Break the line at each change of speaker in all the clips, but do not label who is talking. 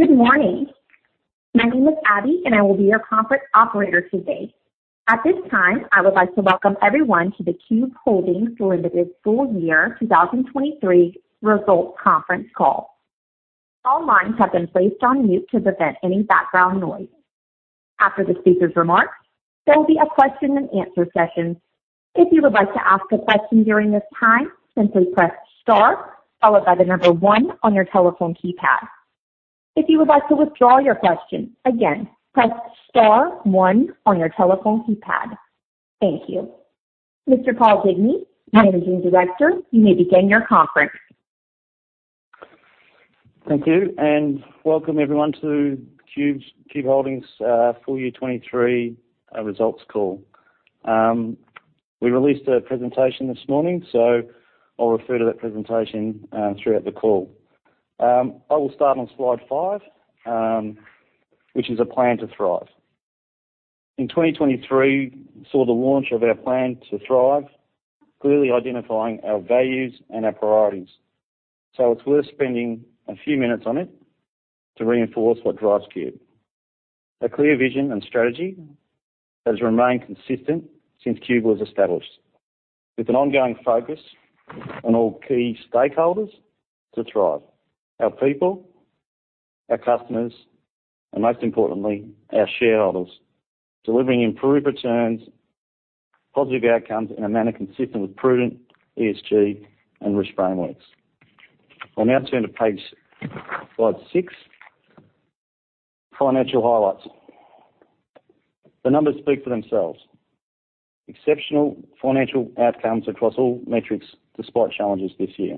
Good morning. My name is Abby, and I will be your conference operator today. At this time, I would like to welcome everyone to the Qube Holdings Limited Full Year 2023 Results Conference Call. All lines have been placed on mute to prevent any background noise. After the speaker's remarks, there will be a question and answer session. If you would like to ask a question during this time, simply press Star followed by the number one on your telephone keypad. If you would like to withdraw your question, again, press Star one on your telephone keypad. Thank you. Mr. Paul Digney, Managing Director, you may begin your conference.
Thank you, and welcome everyone to Qube's, Qube Holdings full year 2023 results call. We released a presentation this morning, so I'll refer to that presentation throughout the call. I will start on slide five, which is a Plan to Thrive. In 2023, we saw the launch of our Plan to Thrive, clearly identifying our values and our priorities. So it's worth spending a few minutes on it to reinforce what drives Qube. A clear vision and strategy has remained consistent since Qube was established, with an ongoing focus on all key stakeholders to thrive: our people, our customers, and most importantly, our shareholders. Delivering improved returns, positive outcomes in a manner consistent with prudent ESG and risk frameworks. I'll now turn to page, slide six: Financial highlights. The numbers speak for themselves. Exceptional financial outcomes across all metrics despite challenges this year.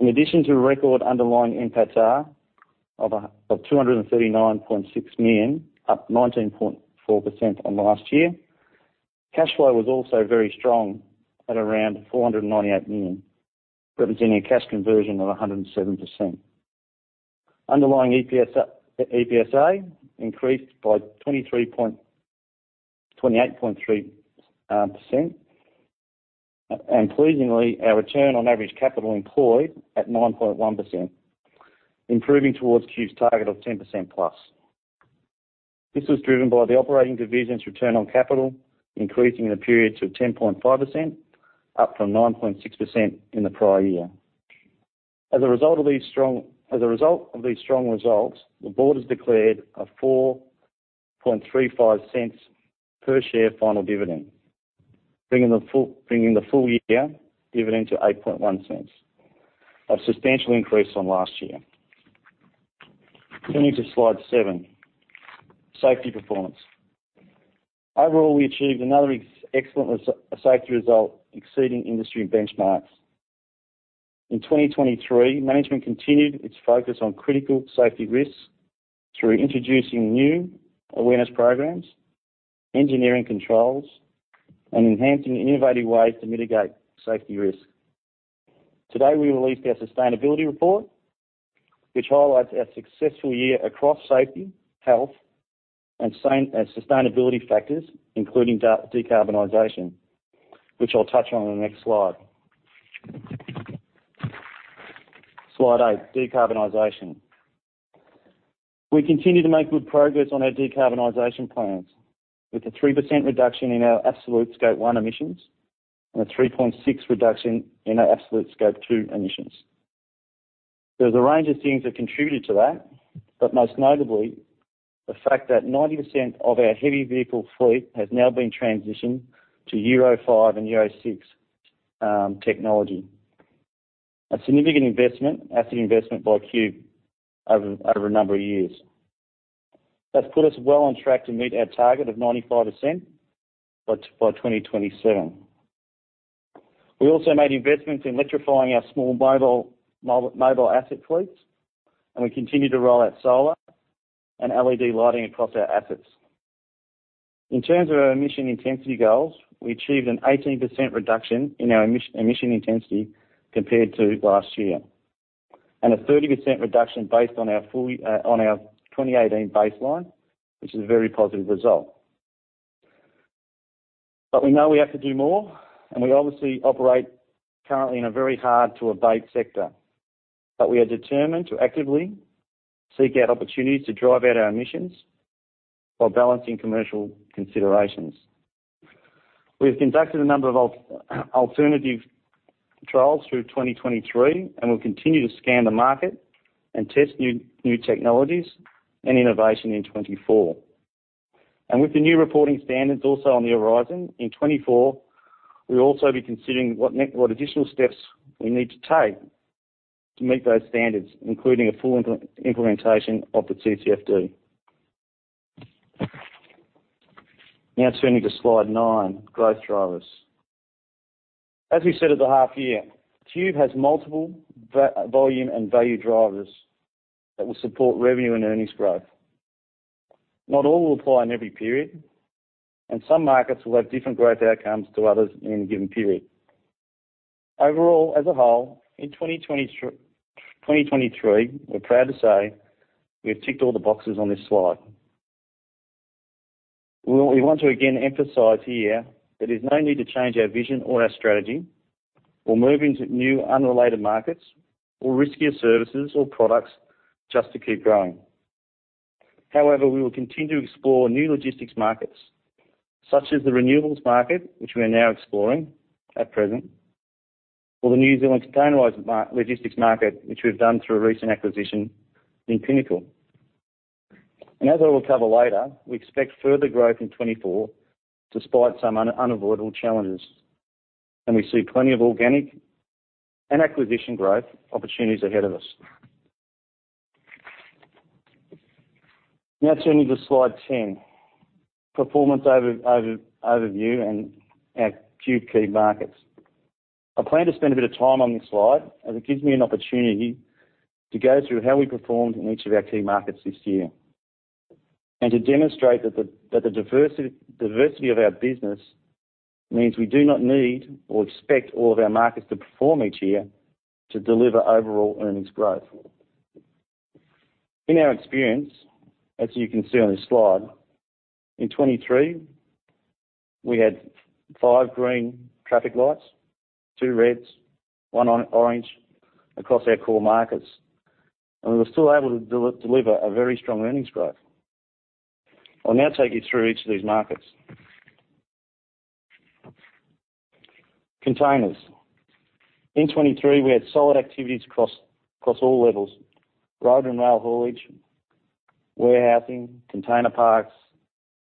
In addition to a record underlying NPAT of 239.6 million, up 19.4% on last year, cash flow was also very strong at around 498 million, representing a cash conversion of 107%. Underlying EPS, EPSA increased by 28.3%. Pleasingly, our return on average capital employed at 9.1%, improving towards Qube's target of 10%+. This was driven by the operating division's return on capital, increasing in the periods of 10.5%, up from 9.6% in the prior year. As a result of these strong results, the board has declared a 0.0435 per share final dividend, bringing the full year dividend to 0.081, a substantial increase on last year. Turning to slide seven: safety performance. Overall, we achieved another excellent safety result, exceeding industry benchmarks. In 2023, management continued its focus on critical safety risks through introducing new awareness programs, engineering controls, and enhancing innovative ways to mitigate safety risk. Today, we released our sustainability report, which highlights our successful year across safety, health, and sustainability factors, including decarbonization, which I'll touch on in the next slide. Slide eight, decarbonization. We continue to make good progress on our decarbonization plans, with a 3% reduction in our absolute Scope 1 emissions and a 3.6% reduction in our absolute Scope 2 emissions. There's a range of things that contributed to that, but most notably, the fact that 90% of our heavy vehicle fleet has now been transitioned to Euro V and Euro VI technology. A significant investment, asset investment by Qube over a number of years. That's put us well on track to meet our target of 95% by 2027. We also made investments in electrifying our small mobile asset fleets, and we continued to roll out solar and LED lighting across our assets. In terms of our emission intensity goals, we achieved an 18% reduction in our emission intensity compared to last year, and a 30% reduction based on our full, on our 2018 baseline, which is a very positive result. But we know we have to do more, and we obviously operate currently in a very hard-to-abate sector. But we are determined to actively seek out opportunities to drive out our emissions while balancing commercial considerations. We've conducted a number of alternative trials through 2023, and we'll continue to scan the market and test new, new technologies and innovation in 2024. And with the new reporting standards also on the horizon, in 2024, we'll also be considering what additional steps we need to take to meet those standards, including a full implementation of the TCFD. Now turning to slide nine, growth drivers. As we said at the half year, Qube has multiple volume and value drivers that will support revenue and earnings growth. Not all will apply in every period, and some markets will have different growth outcomes to others in a given period. Overall, as a whole, in 2023, we're proud to say we've ticked all the boxes on this slide. Well, we want to again emphasize here that there's no need to change our vision or our strategy or move into new unrelated markets or riskier services or products just to keep growing. However, we will continue to explore new logistics markets, such as the renewables market, which we are now exploring at present, or the New Zealand containerized logistics market, which we've done through a recent acquisition in Pinnacle. As I will cover later, we expect further growth in 2024, despite some unavoidable challenges, and we see plenty of organic and acquisition growth opportunities ahead of us. Now turning to Slide 10: Performance overview and our key markets. I plan to spend a bit of time on this slide, as it gives me an opportunity to go through how we performed in each of our key markets this year, and to demonstrate that the diversity of our business means we do not need or expect all of our markets to perform each year to deliver overall earnings growth. In our experience, as you can see on this slide, in 2023, we had five green traffic lights, two reds, one orange across our core markets, and we were still able to deliver a very strong earnings growth. I'll now take you through each of these markets. Containers. In 2023, we had solid activities across all levels, road and rail haulage, warehousing, container parks,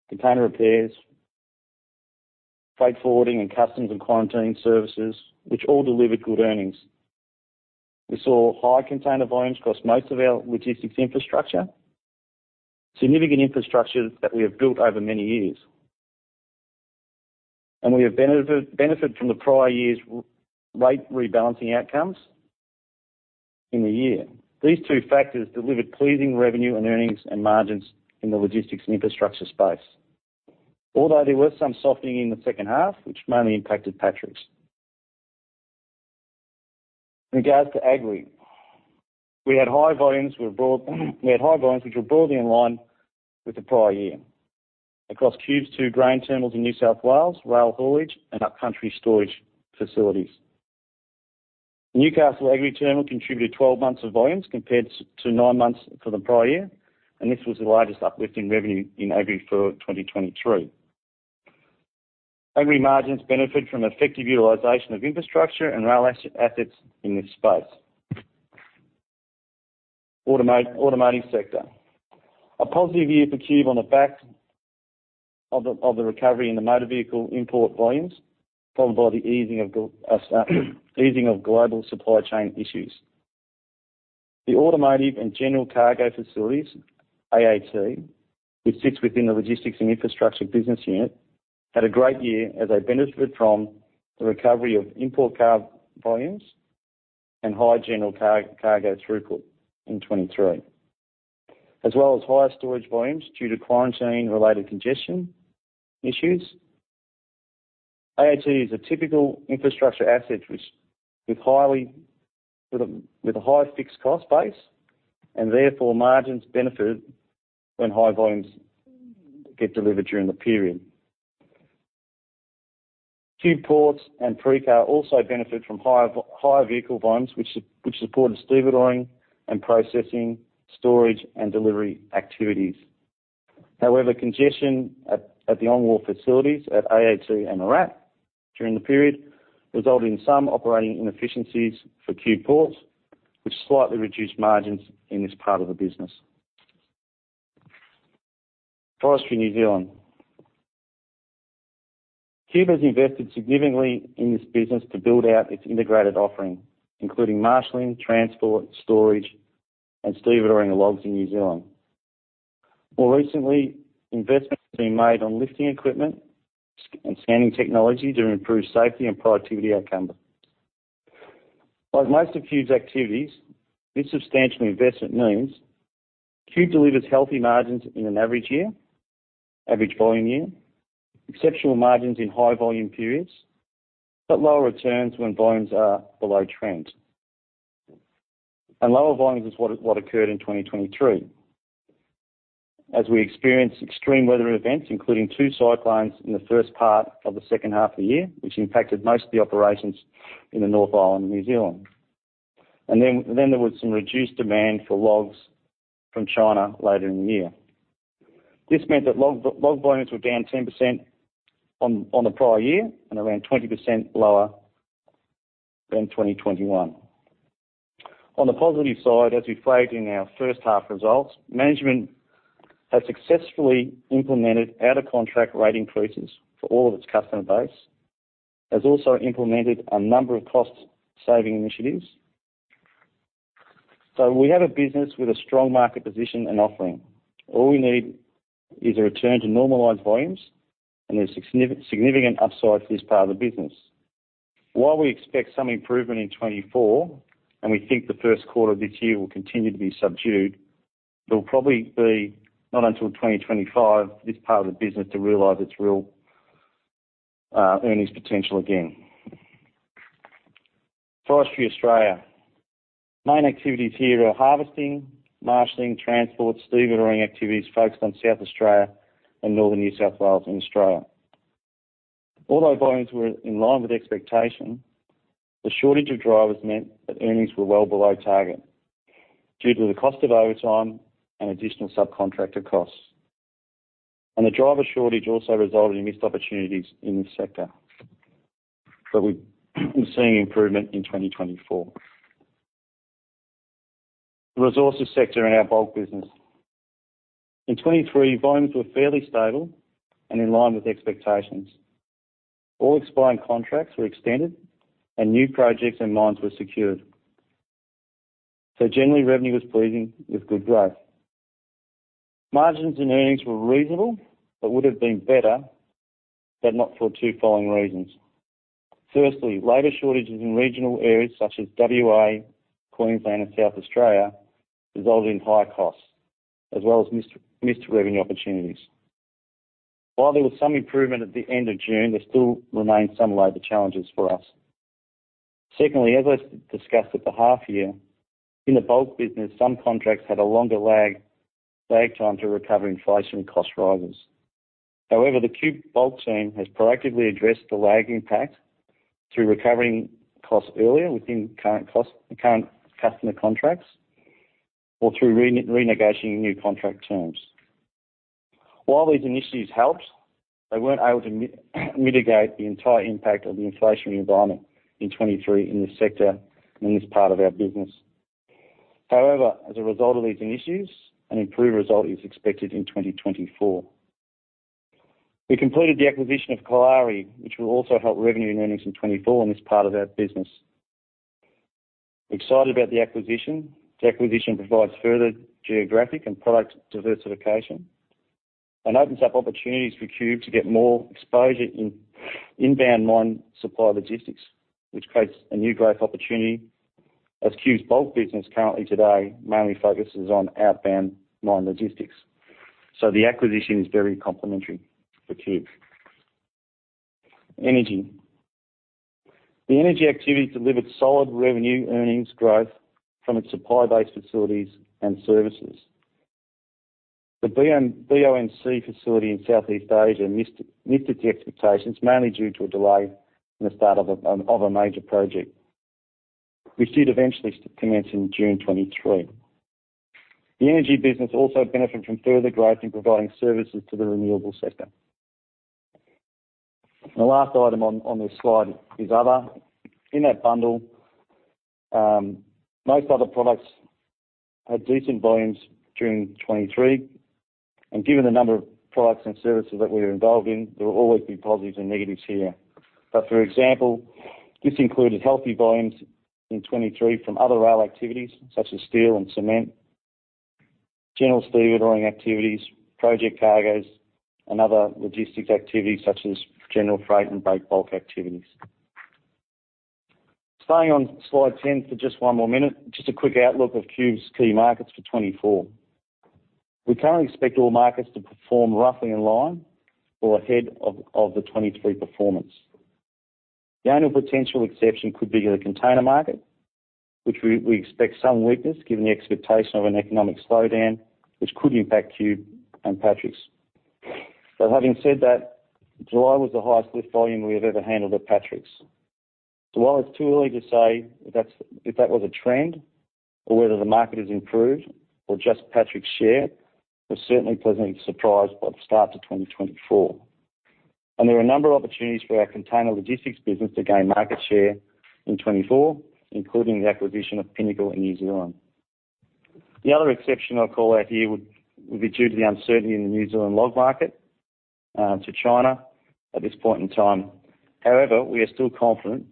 container repairs, freight forwarding, and customs and quarantine services, which all delivered good earnings. We saw high container volumes across most of our logistics infrastructure, significant infrastructure that we have built over many years, and we have benefited from the prior year's weight rebalancing outcomes in the year. These two factors delivered pleasing revenue and earnings and margins in the Logistics and Infrastructure space. Although there was some softening in the second half, which mainly impacted Patrick's. In regards to Agri, we had high volumes, which were broadly in line with the prior year across Qube's two grain terminals in New South Wales, rail haulage, and upcountry storage facilities. Newcastle Agri Terminal contributed 12 months of volumes compared to nine months for the prior year, and this was the largest uplift in revenue in Agri for 2023. Agri margins benefit from effective utilization of infrastructure and rail assets in this space. Automotive sector. A positive year for Qube on the back of the, of the recovery in the motor vehicle import volumes, followed by the easing of easing of global supply chain issues. The automotive and general cargo facilities, AAT, which sits within the logistics and infrastructure business unit, had a great year as they benefited from the recovery of import car volumes and high general cargo throughput in 2023, as well as higher storage volumes due to quarantine-related congestion issues. AAT is a typical infrastructure asset, which with highly... With a high fixed cost base and therefore margins benefit when high volumes get delivered during the period. Qube Ports and PrixCar also benefit from higher vehicle volumes, which supported stevedoring and processing, storage, and delivery activities. However, congestion at the on-wall facilities at AAT and MIRRAT during the period resulted in some operating inefficiencies for Qube Ports, which slightly reduced margins in this part of the business. Forestry New Zealand. Qube has invested significantly in this business to build out its integrated offering, including marshaling, transport, storage, and stevedoring logs in New Zealand. More recently, investments have been made on lifting equipment and scanning technology to improve safety and productivity outcomes. Like most of Qube's activities, this substantial investment means Qube delivers healthy margins in an average year, average volume year, exceptional margins in high volume periods, but lower returns when volumes are below trend. Lower volumes is what occurred in 2023 as we experienced extreme weather events, including two cyclones in the first part of the second half of the year, which impacted most of the operations in the North Island of New Zealand. Then there was some reduced demand for logs from China later in the year. This meant that log volumes were down 10% on the prior year and around 20% lower than 2021. On the positive side, as we flagged in our first half results, management has successfully implemented out-of-contract rate increases for all of its customer base, has also implemented a number of cost-saving initiatives. So we have a business with a strong market position and offering. All we need is a return to normalized volumes, and there's significant upside to this part of the business. While we expect some improvement in 2024, and we think the first quarter of this year will continue to be subdued, it'll probably be not until 2025 for this part of the business to realize its real earnings potential again. Forestry Australia. Main activities here are harvesting, marshaling, transport, stevedoring activities focused on South Australia and Northern New South Wales and Australia. Although volumes were in line with expectation, the shortage of drivers meant that earnings were well below target due to the cost of overtime and additional subcontractor costs. The driver shortage also resulted in missed opportunities in this sector, but we've been seeing improvement in 2024. The resources sector in our bulk business. In 2023, volumes were fairly stable and in line with expectations. All expiring contracts were extended, and new projects and mines were secured. So generally, revenue was pleasing with good growth. Margins and earnings were reasonable, but would have been better had not for two following reasons: firstly, labor shortages in regional areas such as WA, Queensland, and South Australia, resulting in higher costs, as well as missed revenue opportunities. While there was some improvement at the end of June, there still remains some labor challenges for us. Secondly, as I discussed at the half year, in the bulk business, some contracts had a longer lag time to recover inflationary cost rises. However, the Qube Bulk team has proactively addressed the lag impact through recovering costs earlier within current customer contracts or through renegotiating new contract terms. While these initiatives helped, they weren't able to mitigate the entire impact of the inflationary environment in 2023 in this sector and in this part of our business. However, as a result of these initiatives, an improved result is expected in 2024. We completed the acquisition of Kalari, which will also help revenue and earnings in 2024 in this part of our business. We're excited about the acquisition. The acquisition provides further geographic and product diversification and opens up opportunities for Qube to get more exposure in inbound mine supply logistics, which creates a new growth opportunity, as Qube's bulk business currently today mainly focuses on outbound mine logistics. So the acquisition is very complementary for Qube. Energy. The Energy activity delivered solid revenue earnings growth from its supply base facilities and services. The BOMC facility in Southeast Asia missed, missed its expectations, mainly due to a delay in the start of a, of a major project, which did eventually commence in June 2023. The Energy business also benefited from further growth in providing services to the renewable sector. The last item on this slide is other. In that bundle, most other products had decent volumes during 2023, and given the number of products and services that we are involved in, there will always be positives and negatives here. But for example, this included healthy volumes in 2023 from other rail activities such as steel and cement, general stevedoring activities, project cargoes, and other logistics activities such as general freight and break bulk activities. Staying on slide 10 for just one more minute, just a quick outlook of Qube's key markets for 2024. We currently expect all markets to perform roughly in line or ahead of the 2023 performance. The only potential exception could be the container market, which we expect some weakness, given the expectation of an economic slowdown, which could impact Qube and Patrick's. But having said that, July was the highest lift volume we have ever handled at Patrick's. So while it's too early to say if that was a trend or whether the market has improved or just Patrick's share, we're certainly pleasantly surprised by the start to 2024. And there are a number of opportunities for our container logistics business to gain market share in 2024, including the acquisition of Pinnacle in New Zealand. The other exception I'll call out here would be due to the uncertainty in the New Zealand log market to China at this point in time. However, we are still confident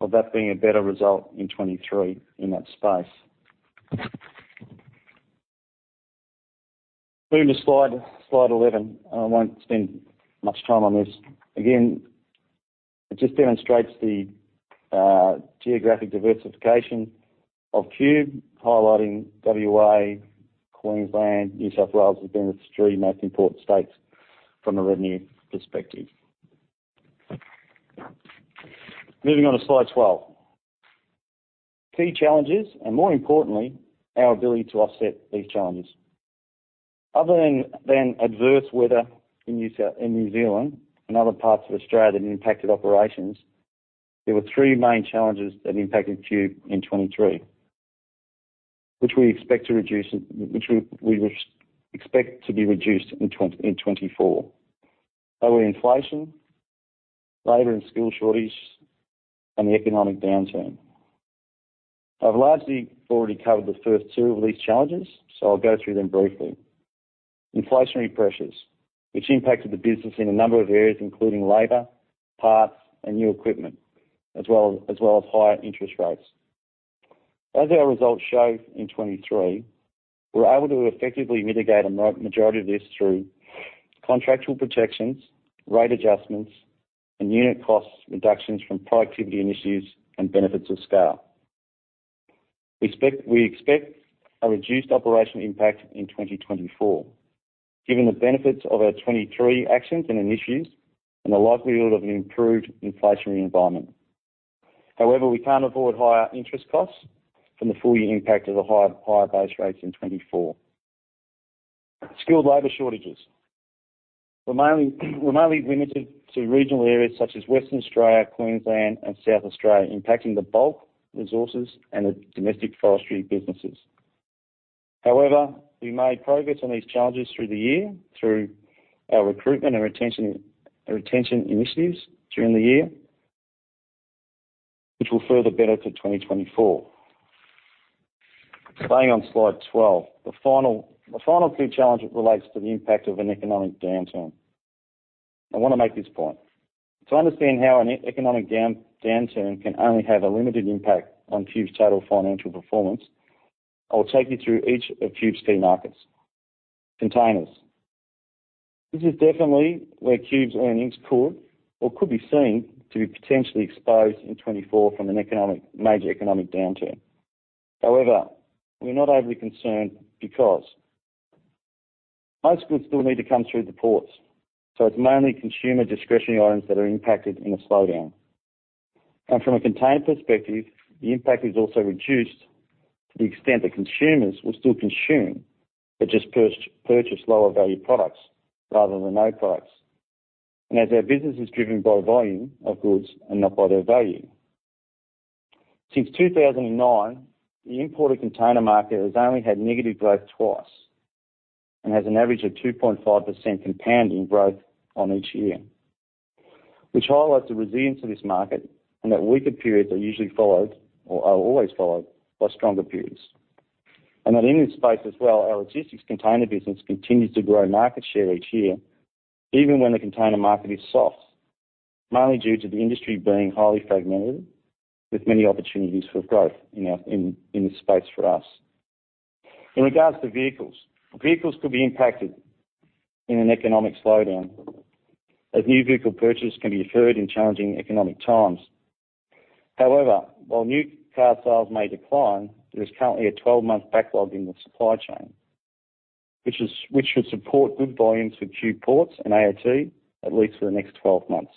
of that being a better result in 2023 in that space. Moving to slide 11, and I won't spend much time on this. Again, it just demonstrates the geographic diversification of Qube, highlighting WA, Queensland, New South Wales as being the three most important states from a revenue perspective. Moving on to slide 12. Key challenges, and more importantly, our ability to offset these challenges. Other than than adverse weather in New South- in New Zealand and other parts of Australia that impacted operations, there were three main challenges that impacted Qube in 2023, which we expect to reduce it. Which we, we expect to be reduced in 2024: lower inflation, labor and skill shortage, and the economic downturn. I've largely already covered the first two of these challenges, so I'll go through them briefly. Inflationary pressures, which impacted the business in a number of areas, including labor, parts, and new equipment, as well as higher interest rates. As our results show in 2023, we're able to effectively mitigate a majority of this through contractual protections, rate adjustments, and unit cost reductions from productivity initiatives and benefits of scale. We expect a reduced operational impact in 2024, given the benefits of our 2023 actions and initiatives, and the likelihood of an improved inflationary environment. However, we can't avoid higher interest costs from the full year impact of the higher base rates in 2024. Skilled labor shortages mainly limited to regional areas such as Western Australia, Queensland, and South Australia, impacting the bulk resources and the domestic forestry businesses. However, we made progress on these challenges through the year through our recruitment and retention, and retention initiatives during the year, which will further benefit 2024. Staying on slide 12, the final key challenge relates to the impact of an economic downturn. I want to make this point: to understand how an economic downturn can only have a limited impact on Qube's total financial performance, I'll take you through each of Qube's key markets. Containers. This is definitely where Qube's earnings could be seen to be potentially exposed in 2024 from a major economic downturn. However, we're not overly concerned because most goods still need to come through the ports, so it's mainly consumer discretionary items that are impacted in a slowdown. From a container perspective, the impact is also reduced to the extent that consumers will still consume, but just purchase lower-value products rather than no products. And as our business is driven by volume of goods and not by their value. Since 2009, the imported container market has only had negative growth twice and has an average of 2.5% compounding growth on each year, which highlights the resilience of this market, and that weaker periods are usually followed or are always followed by stronger periods. And that in this space as well, our logistics container business continues to grow market share each year, even when the container market is soft, mainly due to the industry being highly fragmented, with many opportunities for growth in this space for us. In regards to vehicles, vehicles could be impacted in an economic slowdown, as new vehicle purchases can be deferred in challenging economic times. However, while new car sales may decline, there is currently a 12-month backlog in the supply chain, which should support good volumes for Qube Ports and AAT at least for the next 12 months.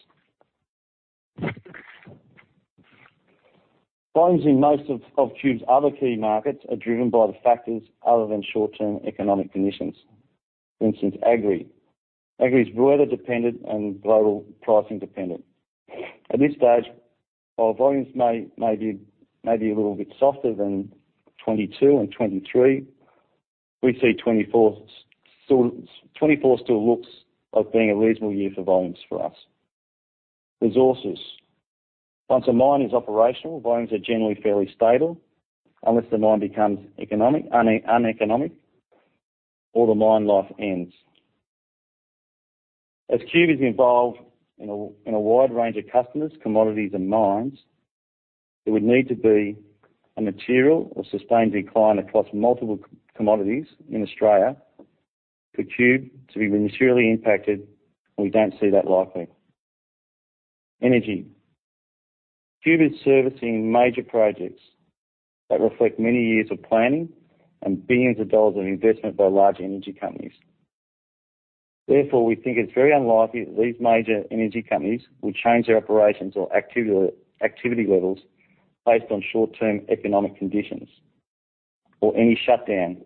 Volumes in most of Qube's other key markets are driven by the factors other than short-term economic conditions. For instance, Agri is weather dependent and global pricing dependent. At this stage, our volumes may be a little bit softer than 2022 and 2023. We see 2024 still... 2024 still looks like being a reasonable year for volumes for us. Resources. Once a mine is operational, volumes are generally fairly stable unless the mine becomes uneconomic, or the mine life ends. As Qube is involved in a wide range of customers, commodities, and mines, there would need to be a material or sustained decline across multiple commodities in Australia for Qube to be materially impacted, and we don't see that likely. Energy Qube is servicing major projects that reflect many years of planning and billions of AUD of investment by large energy companies. Therefore, we think it's very unlikely that these major energy companies will change their operations or activity levels based on short-term economic conditions or any shutdown.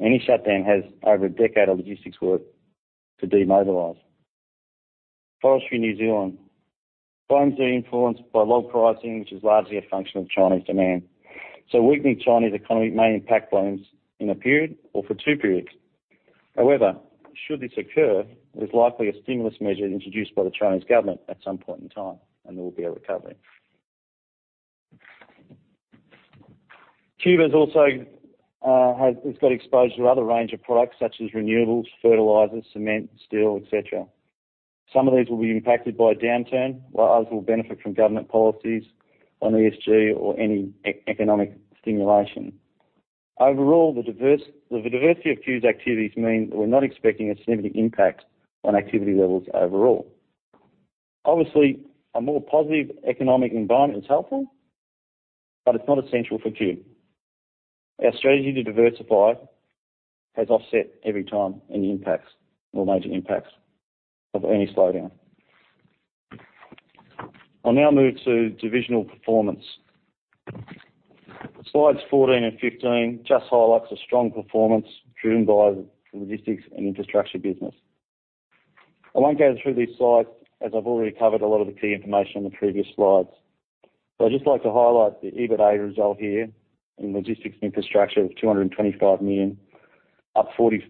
Any shutdown has over a decade of logistics work to demobilize. Forestry New Zealand. Volumes are influenced by log pricing, which is largely a function of Chinese demand, so a weakening Chinese economy may impact volumes in a period or for two periods. However, should this occur, there's likely a stimulus measure introduced by the Chinese government at some point in time, and there will be a recovery. Qube has also, it's got exposure to other range of products such as renewables, fertilizers, cement, steel, et cetera. Some of these will be impacted by a downturn, while others will benefit from government policies on ESG or any economic stimulation. Overall, the diversity of Qube's activities mean that we're not expecting a significant impact on activity levels overall. Obviously, a more positive economic environment is helpful, but it's not essential for Qube. Our strategy to diversify has offset every time any impacts or major impacts of any slowdown. I'll now move to divisional performance. Slides 14 and 15 just highlights a strong performance driven by the logistics and infrastructure business. I won't go through these slides, as I've already covered a lot of the key information on the previous slides. So I'd just like to highlight the EBITDA result here in logistics infrastructure of 225 million, up 54%,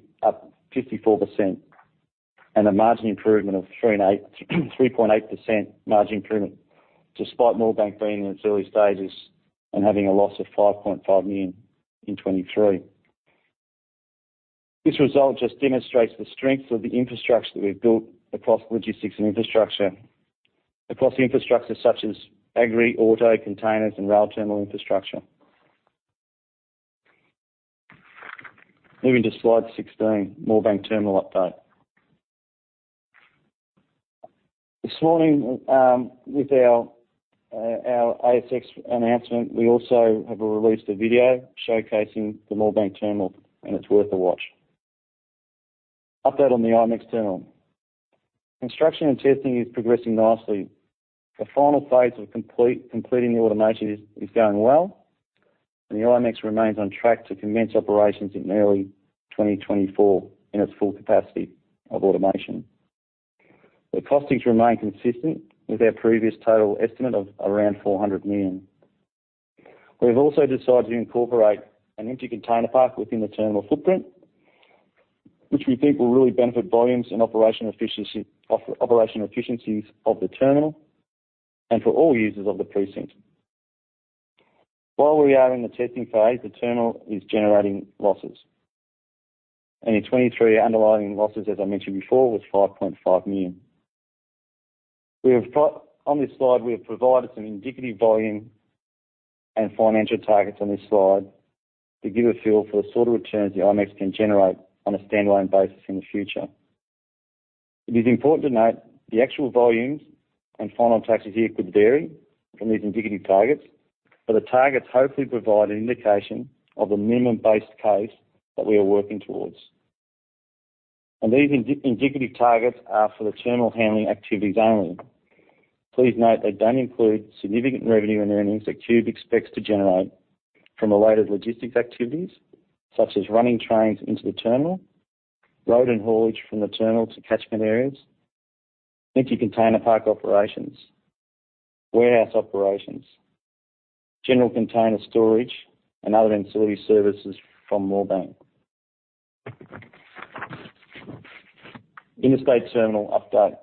and a 3.8% margin improvement, despite Moorebank being in its early stages and having a loss of 5.5 million in 2023. This result just demonstrates the strength of the infrastructure we've built across logistics and infrastructure, across infrastructure such as Agri, auto, containers, and rail terminal infrastructure. Moving to slide 16, Moorebank Terminal update. This morning, with our ASX announcement, we also have released a video showcasing the Moorebank Terminal, and it's worth a watch. Update on the IMEX Terminal. Construction and testing is progressing nicely. The final phase of completing the automation is going well, and the IMEX remains on track to commence operations in early 2024 in its full capacity of automation. The costings remain consistent with our previous total estimate of around 400 million. We've also decided to incorporate an empty container park within the terminal footprint, which we think will really benefit volumes and operational efficiencies of the terminal and for all users of the precinct. While we are in the testing phase, the terminal is generating losses. In 2023, underlying losses, as I mentioned before, was 5.5 million. We have on this slide, we have provided some indicative volume and financial targets on this slide to give a feel for the sort of returns the IMEX can generate on a standalone basis in the future. It is important to note the actual volumes and final taxes here could vary from these indicative targets, but the targets hopefully provide an indication of the minimum base case that we are working towards. These indicative targets are for the terminal handling activities only. Please note, they don't include significant revenue and earnings that Qube expects to generate from related logistics activities, such as running trains into the terminal, road and haulage from the terminal to catchment areas, empty container park operations, warehouse operations, general container storage, and other ancillary services from Moorebank. Interstate Terminal update.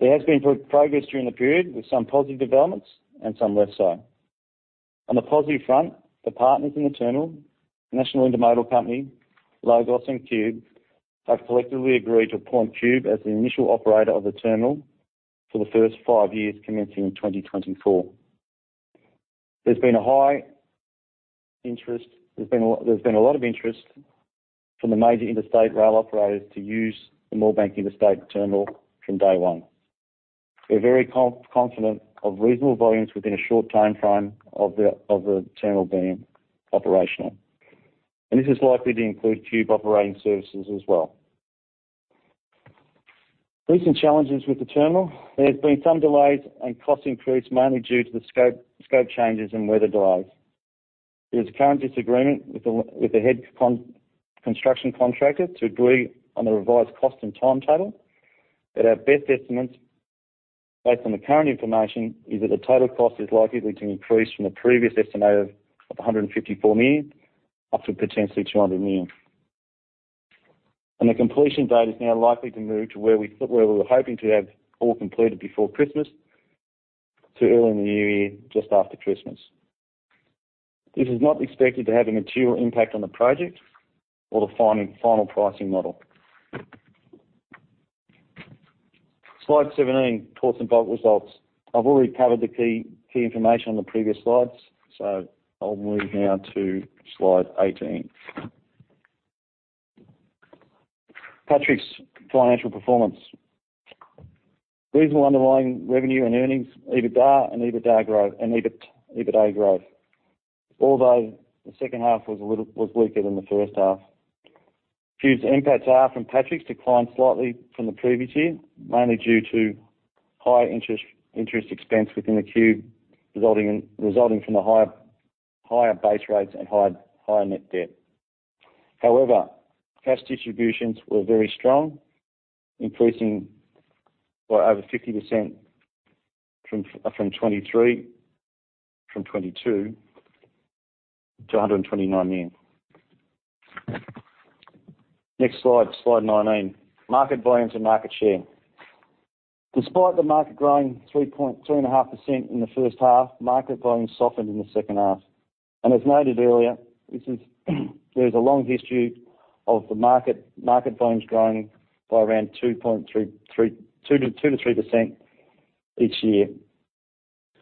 There has been progress during the period, with some positive developments and some less so. On the positive front, the partners in the terminal, National Intermodal Corporation, LOGOS, and Qube, have collectively agreed to appoint Qube as the initial operator of the terminal for the first five years, commencing in 2024. There's been a lot of interest from the major interstate rail operators to use the Moorebank Interstate Terminal from day one. We're very confident of reasonable volumes within a short timeframe of the terminal being operational. And this is likely to include Qube Operating Services as well. Recent challenges with the terminal. There have been some delays and cost increase, mainly due to the scope changes and weather delays. There is a current disagreement with the head construction contractor to agree on a revised cost and timetable, but our best estimates, based on the current information, is that the total cost is likely to increase from the previous estimate of 154 million up to potentially 200 million. And the completion date is now likely to move to where we were hoping to have all completed before Christmas to early in the new year, just after Christmas. This is not expected to have a material impact on the project or the final pricing model. Slide 17, Ports and Bulk results. I've already covered the key information on the previous slides, so I'll move now to Slide 18. Patrick's financial performance. Reasonable underlying revenue and earnings, EBITDA and EBIT growth, although the second half was a little weaker than the first half. Qube's impacts are from Patrick's decline slightly from the previous year, mainly due to high interest expense within Qube, resulting from the higher base rates and higher net debt. However, cash distributions were very strong, increasing by over 50% from 22 million to 129 million. Next slide, slide 19, market volumes and market share. Despite the market growing 2%-2.5% in the first half, market volumes softened in the second half, and as noted earlier, there is a long history of the market volumes growing by around 2.3%-3%. 2%-3% each year,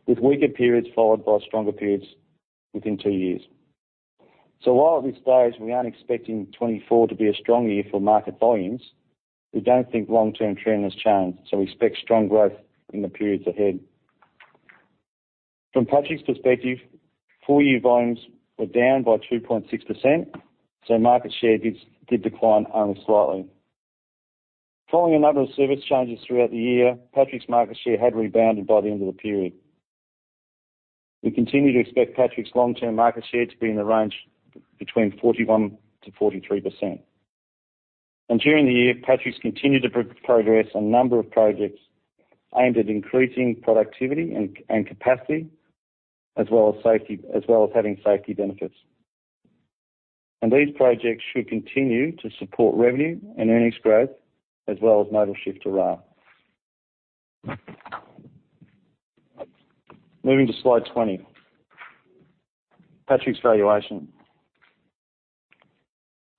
with weaker periods followed by stronger periods within two years. So while at this stage, we aren't expecting 2024 to be a strong year for market volumes, we don't think long-term trend has changed, so we expect strong growth in the periods ahead. From Patrick's perspective, full year volumes were down by 2.6%, so market share did decline only slightly. Following a number of service changes throughout the year, Patrick's market share had rebounded by the end of the period. We continue to expect Patrick's long-term market share to be in the range between 41%-43%. During the year, Patrick's continued to progress a number of projects aimed at increasing productivity and capacity, as well as safety, as well as having safety benefits. And these projects should continue to support revenue and earnings growth, as well as modal shift to rail. Moving to slide 20, Patrick's valuation.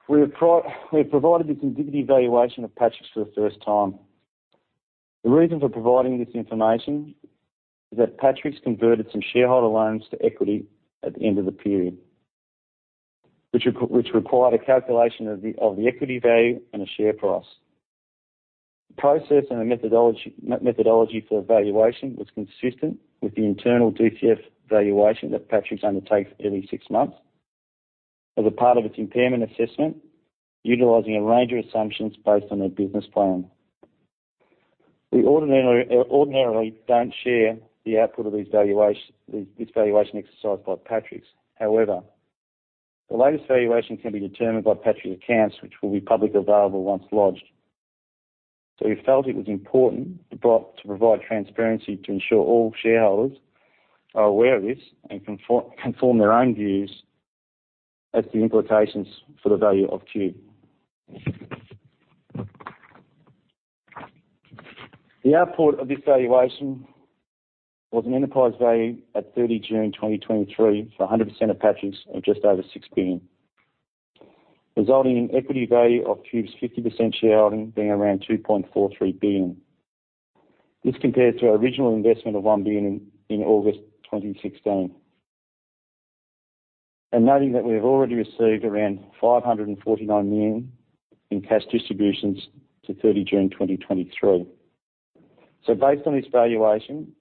We have provided this indicative valuation of Patrick's for the first time. The reason for providing this information is that Patrick's converted some shareholder loans to equity at the end of the period, which required a calculation of the equity value and a share price. The process and the methodology for valuation was consistent with the internal DCF valuation that Patrick's undertakes every six months as a part of its impairment assessment, utilizing a range of assumptions based on their business plan. We ordinarily don't share the output of these valuations, these valuation exercise by Patrick's. However, the latest valuation can be determined by Patrick's accounts, which will be publicly available once lodged. So we felt it was important to provide transparency to ensure all shareholders are aware of this, and can form their own views as to the implications for the value of Qube. The output of this valuation was an enterprise value at 30 June 2023, for 100% of Patrick's at just over 6 billion, resulting in equity value of Qube's 50% shareholding being around 2.43 billion. This compares to our original investment of 1 billion in August 2016. And noting that we have already received around 549 million in cash distributions to 30 June 2023. So based on this valuation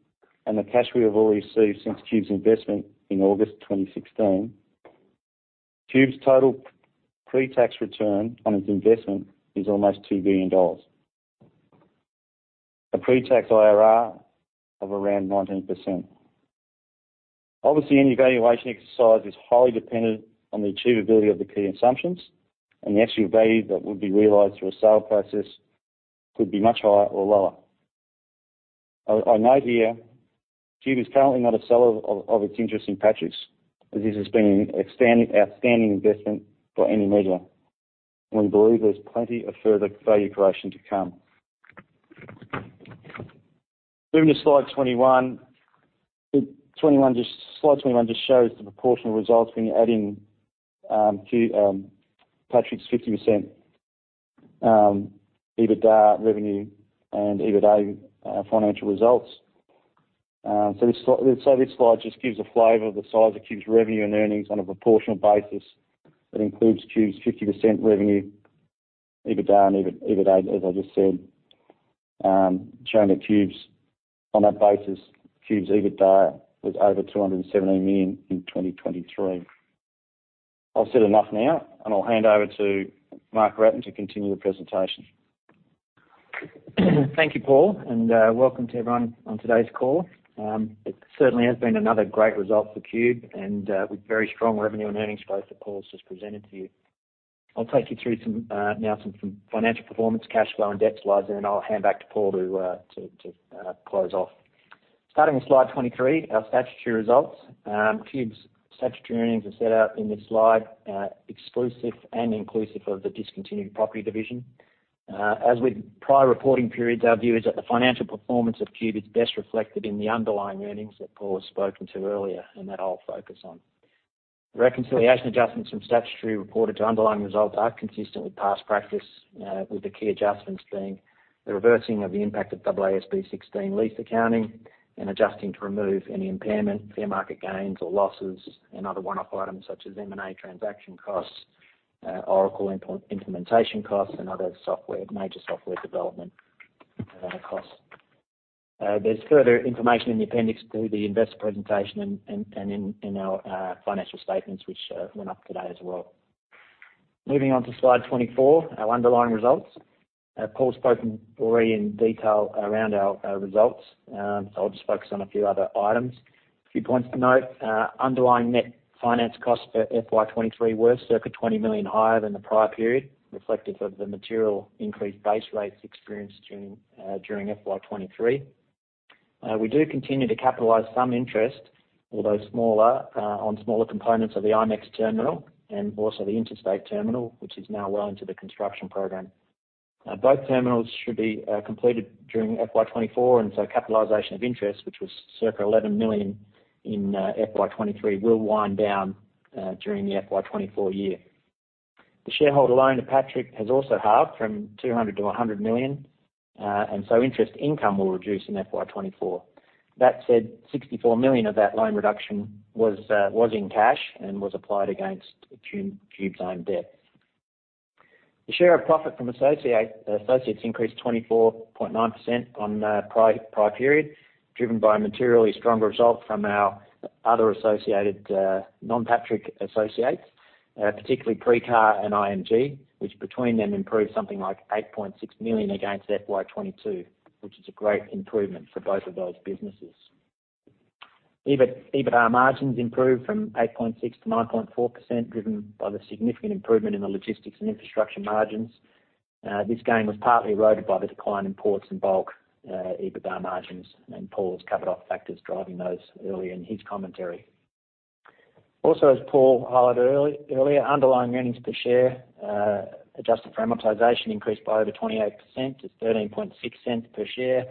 and the cash we have already received since Qube's investment in August 2016, Qube's total pre-tax return on its investment is almost 2 billion dollars. A pre-tax IRR of around 19%. Obviously, any valuation exercise is highly dependent on the achievability of the key assumptions, and the actual value that would be realized through a sale process could be much higher or lower. I note here, Qube is currently not a seller of its interest in Patrick's, as this has been an outstanding investment by any measure, and we believe there's plenty of further value creation to come. Moving to slide 21. Slide 21 just shows the proportional results when you add in to Patrick's 50% EBITDA revenue and EBITDA financial results. So this slide just gives a flavor of the size of Qube's revenue and earnings on a proportional basis that includes Qube's 50% revenue, EBITDA, and EBITDA, as I just said. Showing that Qube's on that basis, Qube's EBITDA was over 217 million in 2023. I've said enough now, and I'll hand over to Mark Wratten to continue the presentation.
Thank you, Paul, and welcome to everyone on today's call. It certainly has been another great result for Qube, and with very strong revenue and earnings growth that Paul's just presented to you. I'll take you through some financial performance, cash flow, and debt slides, and then I'll hand back to Paul to close off. Starting with slide 23, our statutory results. Qube's statutory earnings are set out in this slide, exclusive and inclusive of the discontinued property division. As with prior reporting periods, our view is that the financial performance of Qube is best reflected in the underlying earnings that Paul has spoken to earlier, and that I'll focus on. The reconciliation adjustments from statutory reported to underlying results are consistent with past practice, with the key adjustments being the reversing of the impact of AASB 16 lease accounting, and adjusting to remove any impairment, fair market gains or losses, and other one-off items, such as M&A transaction costs, Oracle implementation costs, and other major software development costs. There's further information in the appendix to the investor presentation and in our financial statements, which went up today as well. Moving on to Slide 24, our underlying results. Paul spoke already in detail around our results, so I'll just focus on a few other items. A few points to note, underlying net finance costs for FY 2023 were circa 20 million higher than the prior period, reflective of the material increased base rates experienced during FY 2023. We do continue to capitalize some interest, although smaller, on smaller components of the IMEX terminal and also the Interstate Terminal, which is now well into the construction program. Both terminals should be completed during FY 2024, and so capitalization of interest, which was circa 11 million in FY 2023, will wind down during the FY 2024 year. The shareholder loan to Patrick has also halved from 200 million to 100 million, and so interest income will reduce in FY 2024. That said, 64 million of that loan reduction was in cash and was applied against Qube's own debt. The share of profit from associate, associates increased 24.9% on prior period, driven by a materially stronger result from our other associated, non-Patrick associates, particularly PrixCar and IMG, which between them, improved something like 8.6 million against FY 2022, which is a great improvement for both of those businesses. EBIT, EBITDA margins improved from 8.6%-9.4%, driven by the significant improvement in the logistics and infrastructure margins. This gain was partly eroded by the decline in Ports and Bulk, EBITDA margins, and Paul has covered off factors driving those earlier in his commentary. Also, as Paul highlighted earlier, underlying earnings per share, adjusted for amortization, increased by over 28% to 0.136 per share.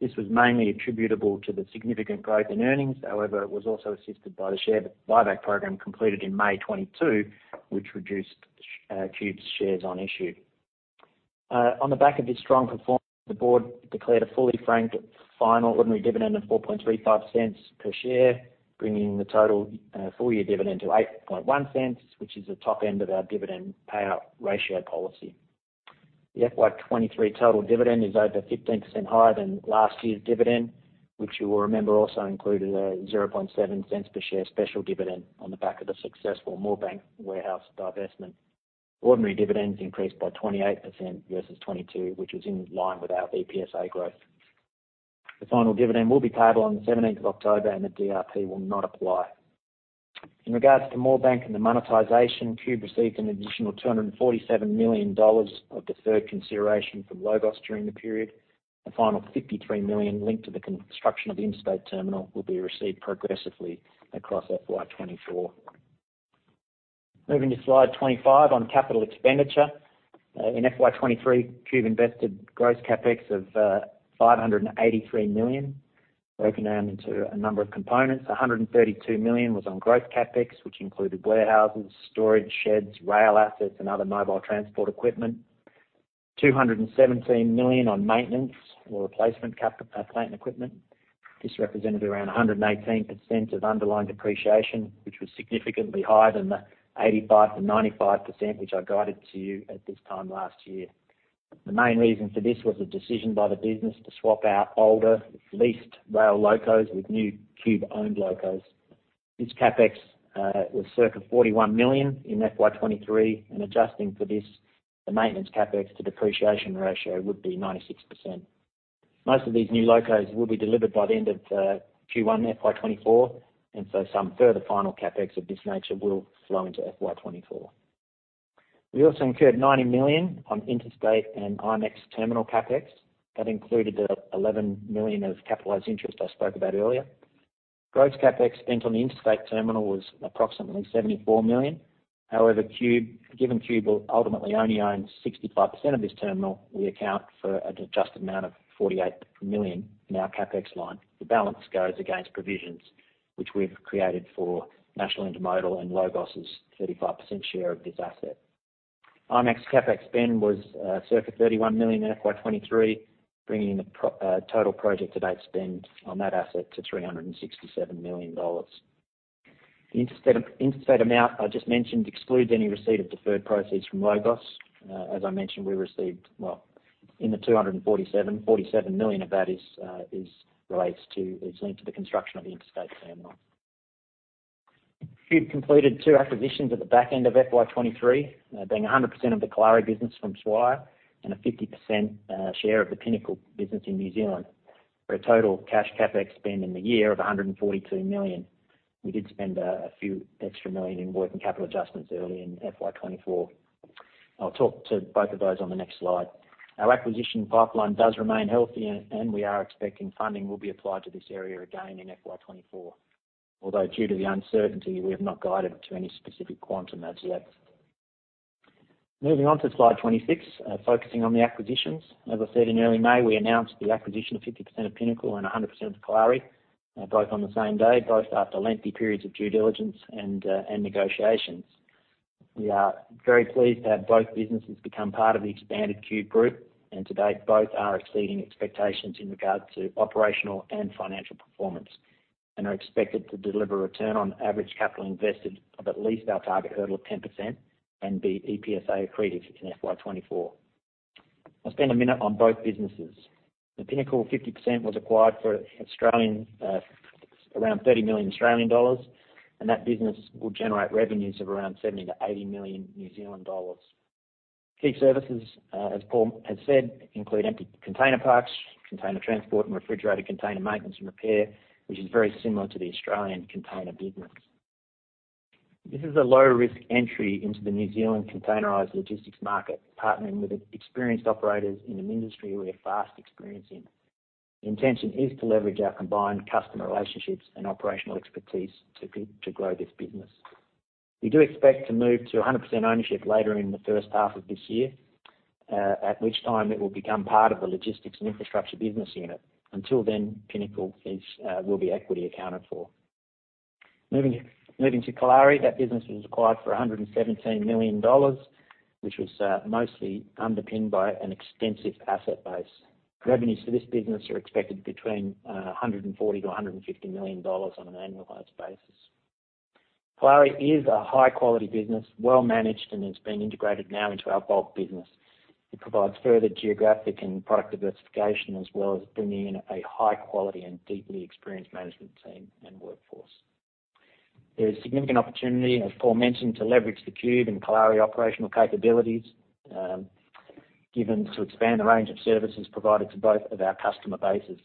This was mainly attributable to the significant growth in earnings. However, it was also assisted by the share buyback program completed in May 2022, which reduced Qube's shares on issue. On the back of this strong performance, the board declared a fully franked final ordinary dividend of 0.0435 per share, bringing the total full year dividend to 0.081, which is the top end of our dividend payout ratio policy. The FY 2023 total dividend is over 15% higher than last year's dividend, which you will remember also included a 0.007 per share special dividend on the back of the successful Moorebank warehouse divestment. Ordinary dividends increased by 28% versus 2022, which was in line with our EPSA growth. The final dividend will be payable on the seventeenth of October, and the DRP will not apply. In regards to Moorebank and the monetization, Qube received an additional 247 million dollars of deferred consideration from LOGOS during the period. The final 53 million linked to the construction of the Interstate Terminal will be received progressively across FY 2024. Moving to slide 25 on capital expenditure. In FY 2023, Qube invested gross CapEx of 583 million, broken down into a number of components. 132 million was on growth CapEx, which included warehouses, storage sheds, rail assets, and other mobile transport equipment. 217 million on maintenance or replacement CapEx, plant and equipment. This represented around 118% of underlying depreciation, which was significantly higher than the 85%-95%, which I guided to you at this time last year. The main reason for this was a decision by the business to swap out older leased rail locos with new Qube-owned locos. This CapEx was circa 41 million in FY 2023, and adjusting for this, the maintenance CapEx to depreciation ratio would be 96%. Most of these new locos will be delivered by the end of Q1 FY 2024, and so some further final CapEx of this nature will flow into FY 2024. We also incurred 90 million on interstate and IMEX terminal CapEx. That included the 11 million of capitalized interest I spoke about earlier. Growth CapEx spent on the Interstate Terminal was approximately 74 million. However, Qube, given Qube will ultimately only own 65% of this terminal, we account for an adjusted amount of 48 million in our CapEx line. The balance goes against provisions, which we've created for National Intermodal and LOGOS's 35% share of this asset. IMEX CapEx spend was circa 31 million in FY 2023, bringing the total project to date spend on that asset to 367 million dollars. The interstate amount I just mentioned excludes any receipt of deferred proceeds from LOGOS. As I mentioned, we received... Well, in the 247 million of that is related to, is linked to the construction of the Interstate Terminal. Qube completed two acquisitions at the back end of FY 2023, being 100% of the Kalari business from Swire and a 50% share of the Pinnacle business in New Zealand, for a total cash CapEx spend in the year of 142 million. We did spend AUD a few million in working capital adjustments early in FY 2024. I'll talk to both of those on the next slide. Our acquisition pipeline does remain healthy, and we are expecting funding will be applied to this area again in FY 2024. Although due to the uncertainty, we have not guided to any specific quantum as yet. Moving on to slide 26, focusing on the acquisitions. As I said, in early May, we announced the acquisition of 50% of Pinnacle and 100% of Kalari, both on the same day, both after lengthy periods of due diligence and negotiations. We are very pleased to have both businesses become part of the expanded Qube Group, and to date, both are exceeding expectations in regards to operational and financial performance, and are expected to deliver a return on average capital invested of at least our target hurdle of 10% and be EPSA accretive in FY 2024. I'll spend a minute on both businesses. The Pinnacle 50% was acquired for Australian around 30 million Australian dollars, and that business will generate revenues of around 70-80 million New Zealand dollars. Key services, as Paul has said, include empty container parks, container transport, and refrigerated container maintenance and repair, which is very similar to the Australian container business. This is a low-risk entry into the New Zealand containerized logistics market, partnering with experienced operators in an industry we are fast experiencing. The intention is to leverage our combined customer relationships and operational expertise to grow this business. We do expect to move to 100% ownership later in the first half of this year, at which time it will become part of the logistics and infrastructure business unit. Until then, Pinnacle will be equity accounted for. Moving to Kalari. That business was acquired for 117 million dollars, which was mostly underpinned by an extensive asset base. Revenues for this business are expected between 140 million-150 million dollars on an annualized basis. Kalari is a high-quality business, well-managed, and has been integrated now into our bulk business. It provides further geographic and product diversification, as well as bringing in a high-quality and deeply experienced management team and workforce. There is significant opportunity, as Paul mentioned, to leverage the Qube and Kalari operational capabilities, given to expand the range of services provided to both of our customer bases,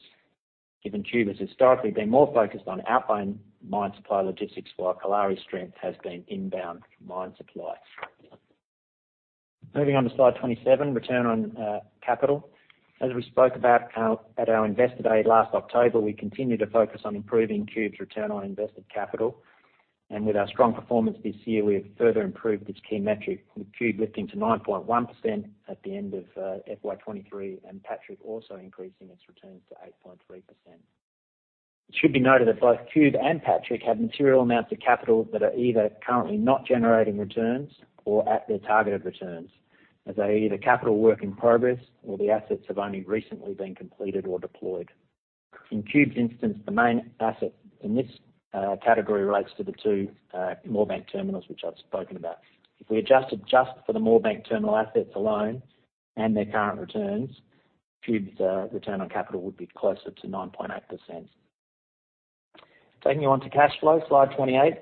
given Qube has historically been more focused on outbound mine supply logistics, while Kalari's strength has been inbound mine supply. Moving on to slide 27, return on capital. As we spoke about at our, at our Investor Day last October, we continue to focus on improving Qube's return on invested capital. And with our strong performance this year, we have further improved this key metric, with Qube lifting to 9.1% at the end of FY23, and Patrick also increasing its returns to 8.3%.... It should be noted that both Qube and Patrick have material amounts of capital that are either currently not generating returns or at their targeted returns, as they are either capital work in progress or the assets have only recently been completed or deployed. In Qube's instance, the main asset in this category relates to the two Moorebank Terminals, which I've spoken about. If we adjusted just for the Moorebank Terminal assets alone and their current returns, Qube's return on capital would be closer to 9.8%. Taking you on to cash flow, slide 28.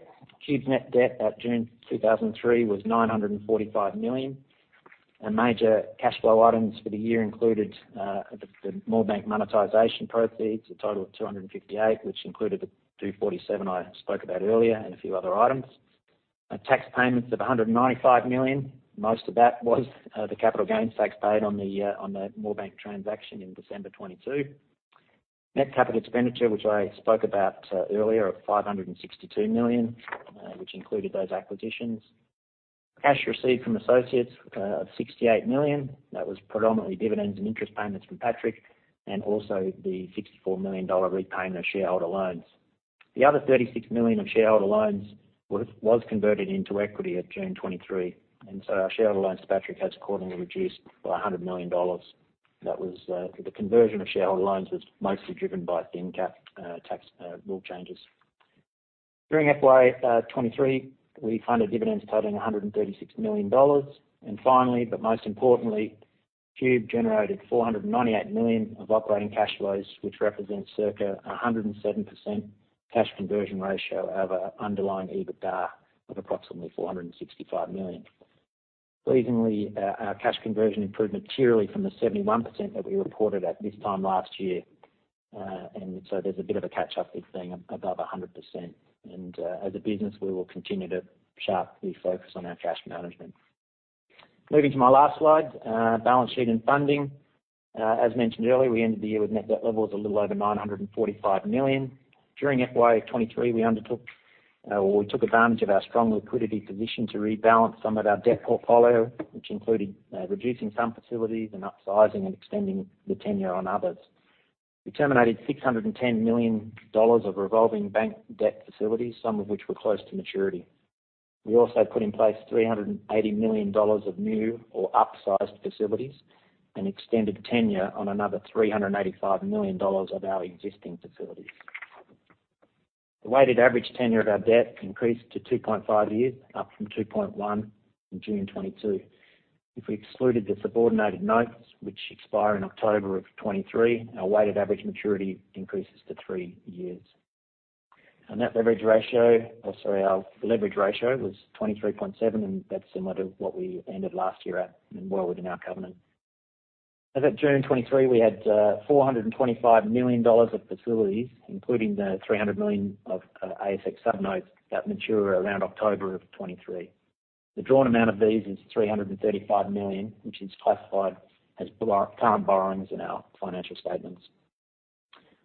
Qube's net debt at June 2023 was 945 million, and major cash flow items for the year included the Moorebank monetization proceeds, a total of 258 million, which included the 247 I spoke about earlier and a few other items. Tax payments of 195 million. Most of that was the capital gains tax paid on the Moorebank transaction in December 2022. Net capital expenditure, which I spoke about earlier, of 562 million, which included those acquisitions. Cash received from associates of 68 million. That was predominantly dividends and interest payments from Patrick, and also the 64 million dollar repayment of shareholder loans. The other 36 million of shareholder loans was, was converted into equity at June 2023, and so our shareholder loans to Patrick has accordingly reduced by 100 million dollars. That was... The conversion of shareholder loans was mostly driven by Thin Cap tax rule changes. During FY 2023, we funded dividends totaling AUD 136 million. And finally, but most importantly, Qube generated AUD 498 million of operating cash flows, which represents circa 107% cash conversion ratio of our underlying EBITDA of approximately 465 million. Pleasingly, our cash conversion improved materially from the 71% that we reported at this time last year, and so there's a bit of a catch-up this being above 100%. And, as a business, we will continue to sharply focus on our cash management. Moving to my last slide, balance sheet and funding. As mentioned earlier, we ended the year with net debt levels a little over 945 million. During FY 23, we undertook, or we took advantage of our strong liquidity position to rebalance some of our debt portfolio, which included, reducing some facilities and upsizing and extending the tenure on others. We terminated 610 million dollars of revolving bank debt facilities, some of which were close to maturity. We also put in place 380 million dollars of new or upsized facilities and extended tenure on another 385 million dollars of our existing facilities. The weighted average tenure of our debt increased to 2.5 years, up from 2.1 in June 2022. If we excluded the subordinated notes, which expire in October 2023, our weighted average maturity increases to three years. Our net leverage ratio or, sorry, our leverage ratio was 23.7, and that's similar to what we ended last year at and well within our covenant. As of June 2023, we had 425 million dollars of facilities, including the 300 million of ASX subnotes that mature around October 2023. The drawn amount of these is 335 million, which is classified as current borrowings in our financial statements.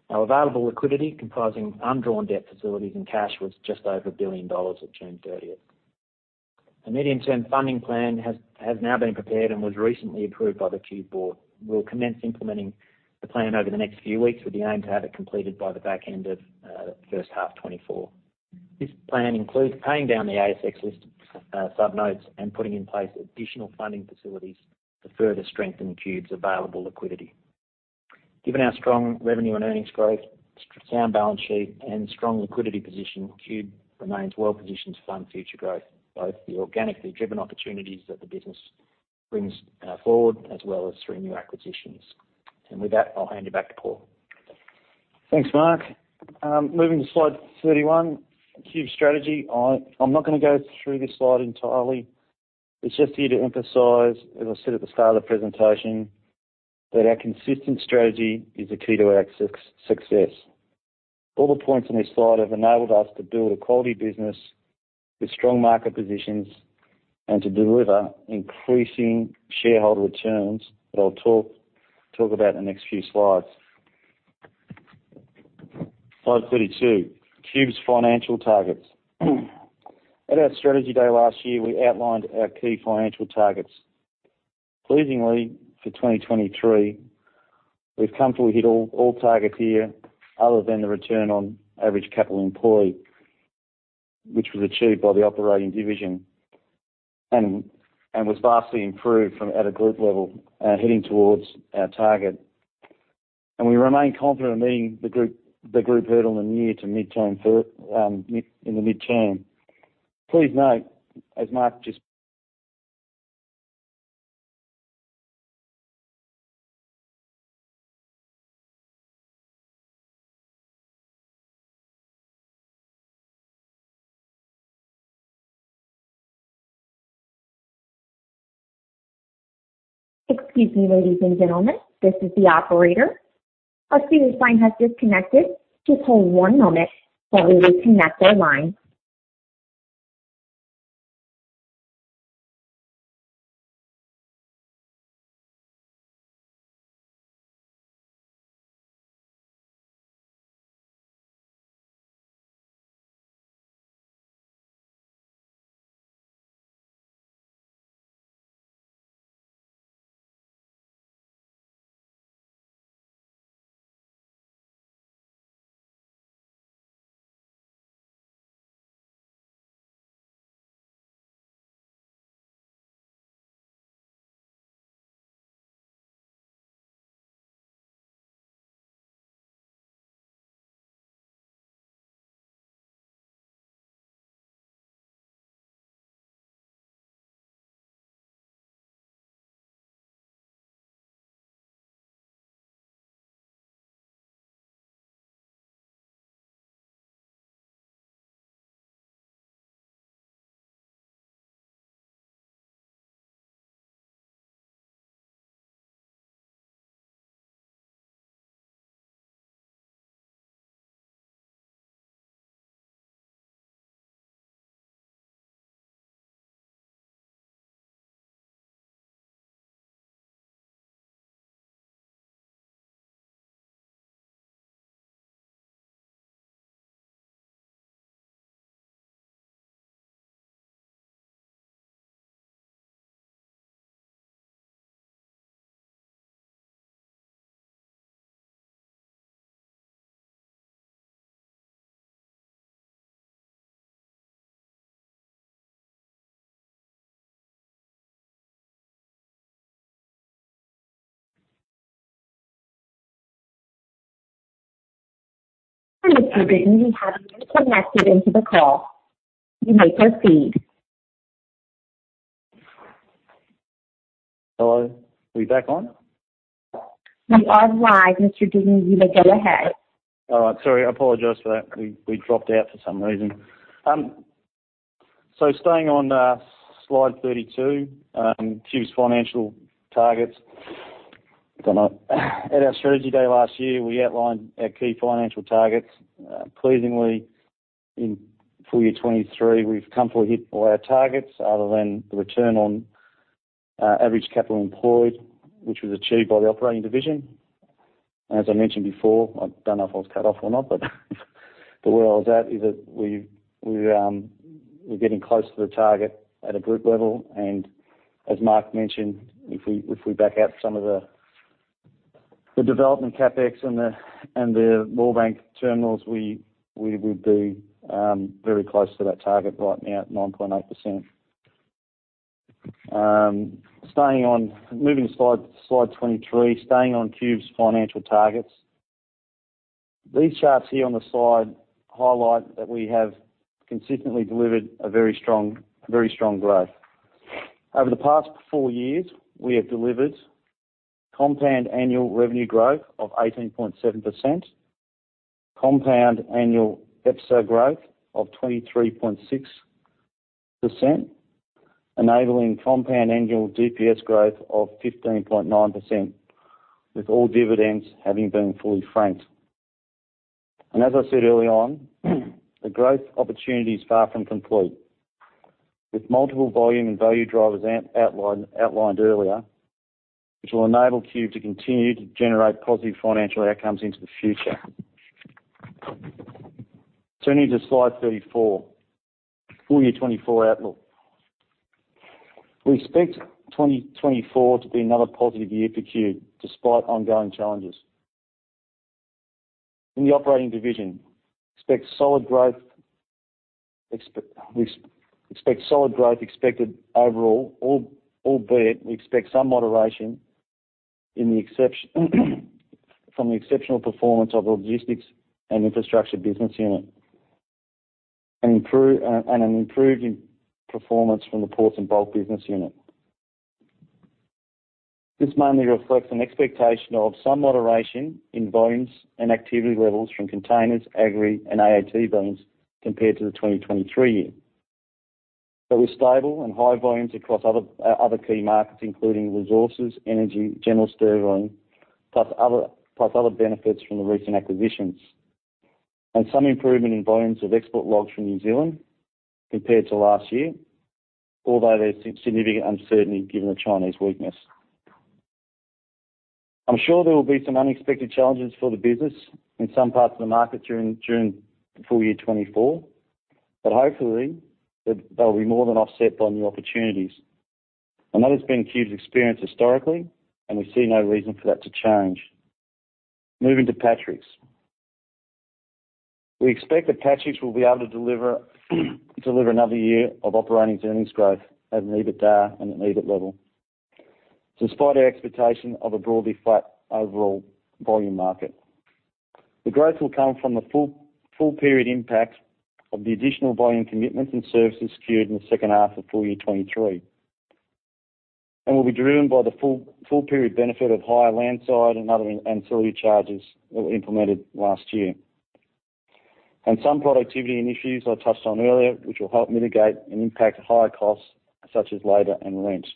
Our available liquidity, comprising undrawn debt facilities and cash, was just over 1 billion dollars at June 30. A medium-term funding plan has now been prepared and was recently approved by the Qube board. We'll commence implementing the plan over the next few weeks, with the aim to have it completed by the back end of first half 2024. This plan includes paying down the ASX-listed subnotes and putting in place additional funding facilities to further strengthen Qube's available liquidity. Given our strong revenue and earnings growth, sound balance sheet, and strong liquidity position, Qube remains well positioned to fund future growth, both the organically driven opportunities that the business brings forward, as well as through new acquisitions. And with that, I'll hand you back to Paul.
Thanks, Mark. Moving to slide 31, Qube's strategy. I'm not gonna go through this slide entirely. It's just here to emphasize, as I said at the start of the presentation, that our consistent strategy is the key to our success. All the points on this slide have enabled us to build a quality business with strong market positions and to deliver increasing shareholder returns, that I'll talk about in the next few slides. Slide 32, Qube's financial targets. At our strategy day last year, we outlined our key financial targets. Pleasingly, for 2023, we've comfortably hit all targets here, other than the return on average capital employed, which was achieved by the operating division and was vastly improved from at a group level, heading towards our target. We remain confident in meeting the group hurdle in the year to midterm in the midterm. Please note, as Mark just-
Excuse me, ladies and gentlemen, this is the operator. A senior line has disconnected. Please hold one moment while we reconnect our line. Mr. Digney, you have been connected into the call. You may proceed.
Hello, are we back on?
You are live, Mr. Digney. You may go ahead.
All right. Sorry, I apologize for that. We dropped out for some reason. So staying on slide 32, Qube's financial targets. At our strategy day last year, we outlined our key financial targets. Pleasingly, in full year 2023, we've come for a hit by our targets other than the return on average capital employed, which was achieved by the operating division. As I mentioned before, I don't know if I was cut off or not, but where I was at is that we're getting close to the target at a group level, and as Mark mentioned, if we back out some of the development CapEx and the Moorebank Terminals, we would be very close to that target right now at 9.8%. Moving to slide 23, staying on Qube's financial targets. These charts here on the slide highlight that we have consistently delivered a very strong, very strong growth. Over the past four years, we have delivered compound annual revenue growth of 18.7%, compound annual EPSA growth of 23.6%, enabling compound annual DPS growth of 15.9%, with all dividends having been fully franked. As I said early on, the growth opportunity is far from complete, with multiple volume and value drivers outlined earlier, which will enable Qube to continue to generate positive financial outcomes into the future. Turning to slide 34, full year 2024 outlook. We expect 2024 to be another positive year for Qube, despite ongoing challenges. In the operating division, expect solid growth expect... We expect solid growth expected overall, albeit we expect some moderation in the expectation, from the exceptional performance of the logistics and infrastructure business unit, and an improved performance from the Ports and Bulk business unit. This mainly reflects an expectation of some moderation in volumes and activity levels from containers, Agri, and AAT volumes compared to the 2023 year. But with stable and high volumes across other key markets, including resources, energy, general stevedoring, plus other benefits from the recent acquisitions, and some improvement in volumes of export logs from New Zealand compared to last year, although there's significant uncertainty given the Chinese weakness. I'm sure there will be some unexpected challenges for the business in some parts of the market during the full year 2024, but hopefully, they'll be more than offset by the opportunities. I know that's been Qube's experience historically, and we see no reason for that to change. Moving to Patrick's. We expect that Patrick's will be able to deliver another year of operating earnings growth at an EBITDAR and an EBIT level, despite our expectation of a broadly flat overall volume market. The growth will come from the full period impact of the additional volume commitments and services secured in the second half of full year 2023, and will be driven by the full period benefit of higher landside and other ancillary charges that were implemented last year, and some productivity and issues I touched on earlier, which will help mitigate and impact higher costs, such as labor and rent.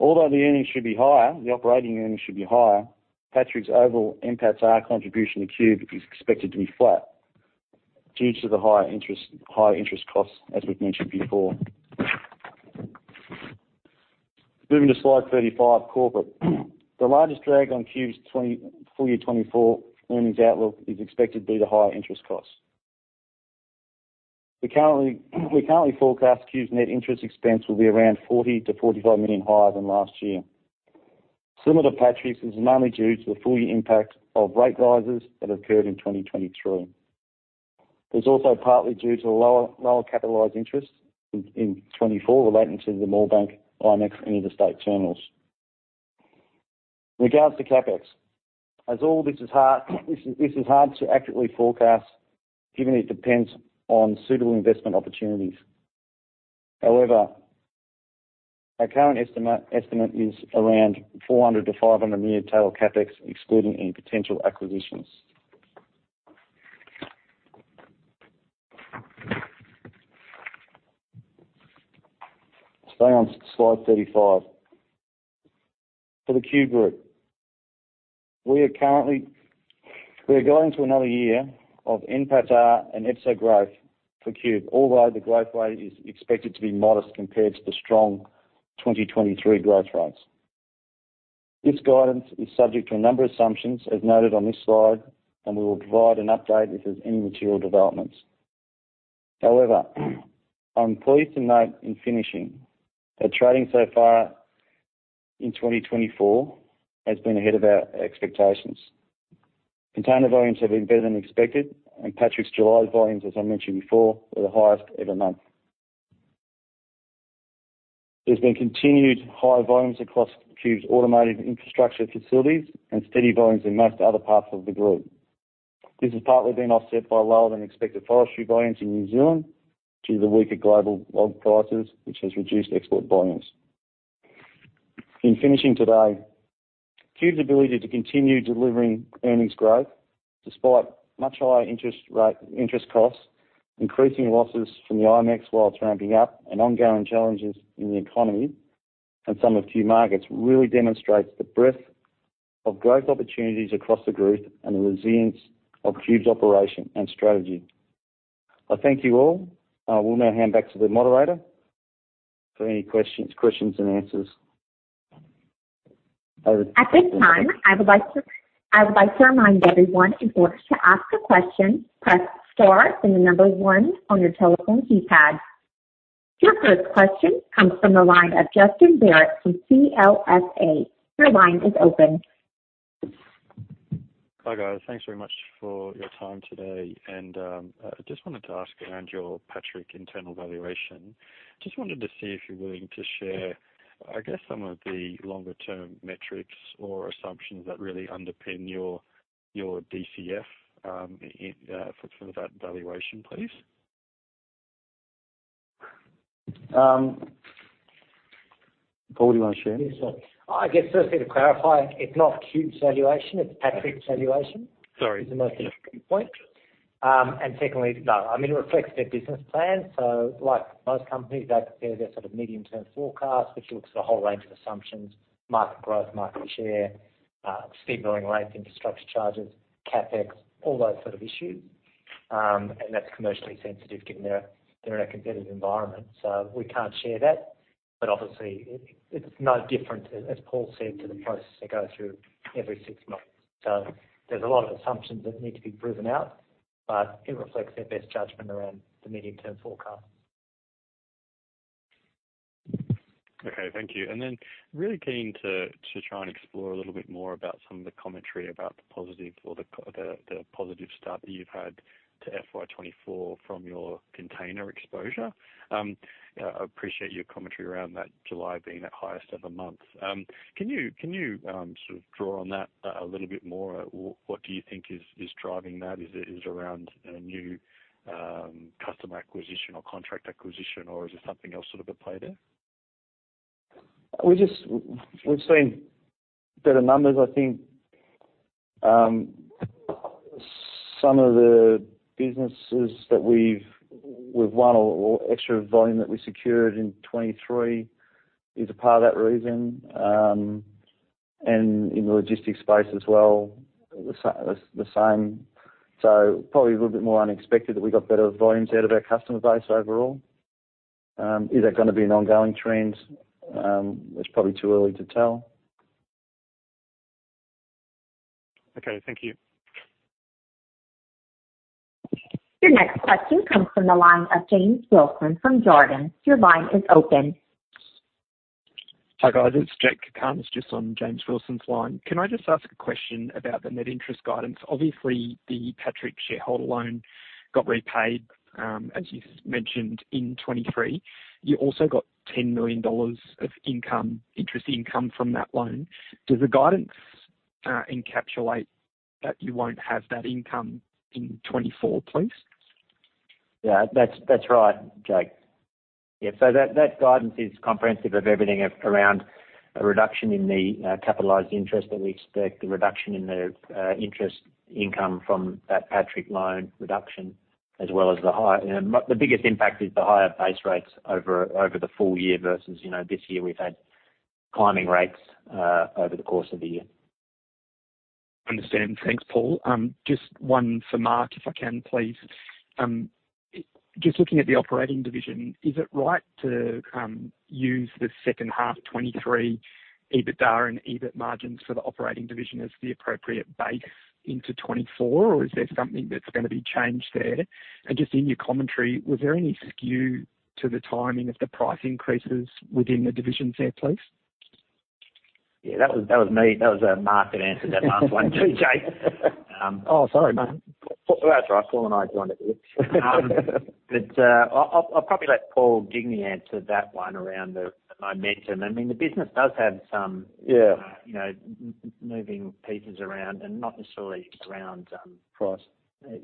Although the earnings should be higher, the operating earnings should be higher, Patrick's overall NPATA contribution to Qube is expected to be flat due to the higher interest, higher interest costs, as we've mentioned before. Moving to slide 35, corporate. The largest drag on Qube's full year 2024 earnings outlook is expected to be the higher interest costs. We currently forecast Qube's net interest expense will be around 40 million-45 million higher than last year. Similar to Patrick's, this is mainly due to the full year impact of rate rises that occurred in 2023. It's also partly due to the lower capitalized interest in 2024 relating to the Moorebank, IMEX, and Interstate Terminals. In regards to CapEx, as all this is hard, this is hard to accurately forecast, given it depends on suitable investment opportunities. However, our current estimate is around 400-500 million total CapEx, excluding any potential acquisitions. Staying on slide 35. For the Qube group, we are currently going into another year of NPAT and EPSA growth for Qube, although the growth rate is expected to be modest compared to the strong 2023 growth rates. This guidance is subject to a number of assumptions, as noted on this slide, and we will provide an update if there's any material developments. However, I'm pleased to note in finishing, that trading so far in 2024 has been ahead of our expectations. Container volumes have been better than expected, and Patrick's July volumes, as I mentioned before, were the highest ever month. There's been continued high volumes across Qube's automated infrastructure facilities and steady volumes in most other parts of the group. This has partly been offset by lower-than-expected forestry volumes in New Zealand, due to the weaker global log prices, which has reduced export volumes. In finishing today, Qube's ability to continue delivering earnings growth despite much higher interest rate, interest costs, increasing losses from the IMEX while it's ramping up, and ongoing challenges in the economy, and some of key markets really demonstrates the breadth of growth opportunities across the group and the resilience of Qube's operation and strategy. I thank you all. I will now hand back to the moderator for any questions, questions, and answers.
At this time, I would like to remind everyone, in order to ask a question, press star and the number one on your telephone keypad. Your first question comes from the line of Justin Barratt from CLSA. Your line is open.
Hi, guys. Thanks very much for your time today, and I just wanted to ask around your Patrick internal valuation. Just wanted to see if you're willing to share, I guess, some of the longer-term metrics or assumptions that really underpin your, your DCF for that valuation, please?
Paul, do you want to share?
Yes, sure. I guess firstly, to clarify, it's not Qube's valuation, it's Patrick's valuation.
Sorry.
It's the most important point. And secondly, no, I mean, it reflects their business plan, so like most companies, they prepare their sort of medium-term forecast, which looks at a whole range of assumptions, market growth, market share, stevedoring rates, infrastructure charges, CapEx, all those sort of issues. And that's commercially sensitive, given they're in a competitive environment, so we can't share that. But obviously, it, it's no different, as Paul said, to the process they go through every six months. So there's a lot of assumptions that need to be proven out, but it reflects their best judgment around the medium-term forecast.
Okay, thank you. And then really keen to try and explore a little bit more about some of the commentary about the positive start that you've had to FY 2024 from your container exposure. Appreciate your commentary around that July being the highest ever month. Can you sort of draw on that a little bit more? What do you think is driving that? Is it around a new customer acquisition or contract acquisition, or is there something else sort of at play there?
We've seen better numbers, I think. Some of the businesses that we've won or extra volume that we secured in 2023 is a part of that reason. And in the logistics space as well, the same. So probably a little bit more unexpected that we got better volumes out of our customer base overall. Is that gonna be an ongoing trend? It's probably too early to tell.
Okay, thank you.
Your next question comes from the line of James Wilson from Jarden. Your line is open.
Hi, guys. It's Jake Cakarnis, just on James Wilson's line. Can I just ask a question about the net interest guidance? Obviously, the Patrick shareholder loan got repaid, as you mentioned in 2023. You also got 10 million dollars of income, interest income from that loan. Does the guidance encapsulate that you won't have that income in 2024, please?
Yeah, that's right, Jake. Yeah, so that guidance is comprehensive of everything around a reduction in the capitalized interest, but we expect a reduction in the interest income from that Patrick loan reduction, as well as. The biggest impact is the higher base rates over the full year versus, you know, this year we've had climbing rates over the course of the year.
Understand. Thanks, Paul. Just one for Mark, if I can please. Just looking at the operating division, is it right to use the second half 2023 EBITDA and EBIT margins for the operating division as the appropriate base into 2024, or is there something that's gonna be changed there? And just in your commentary, was there any skew to the timing of the price increases within the divisions there, please?
Yeah, that was, that was me. That was, Mark that answered that last one, TJ.
Oh, sorry, mate.
That's all right. Paul and I joined it here. But I'll probably let Paul Digney answer that one around the momentum. I mean, the business does have some-
Yeah
you know, moving pieces around and not necessarily around
Price.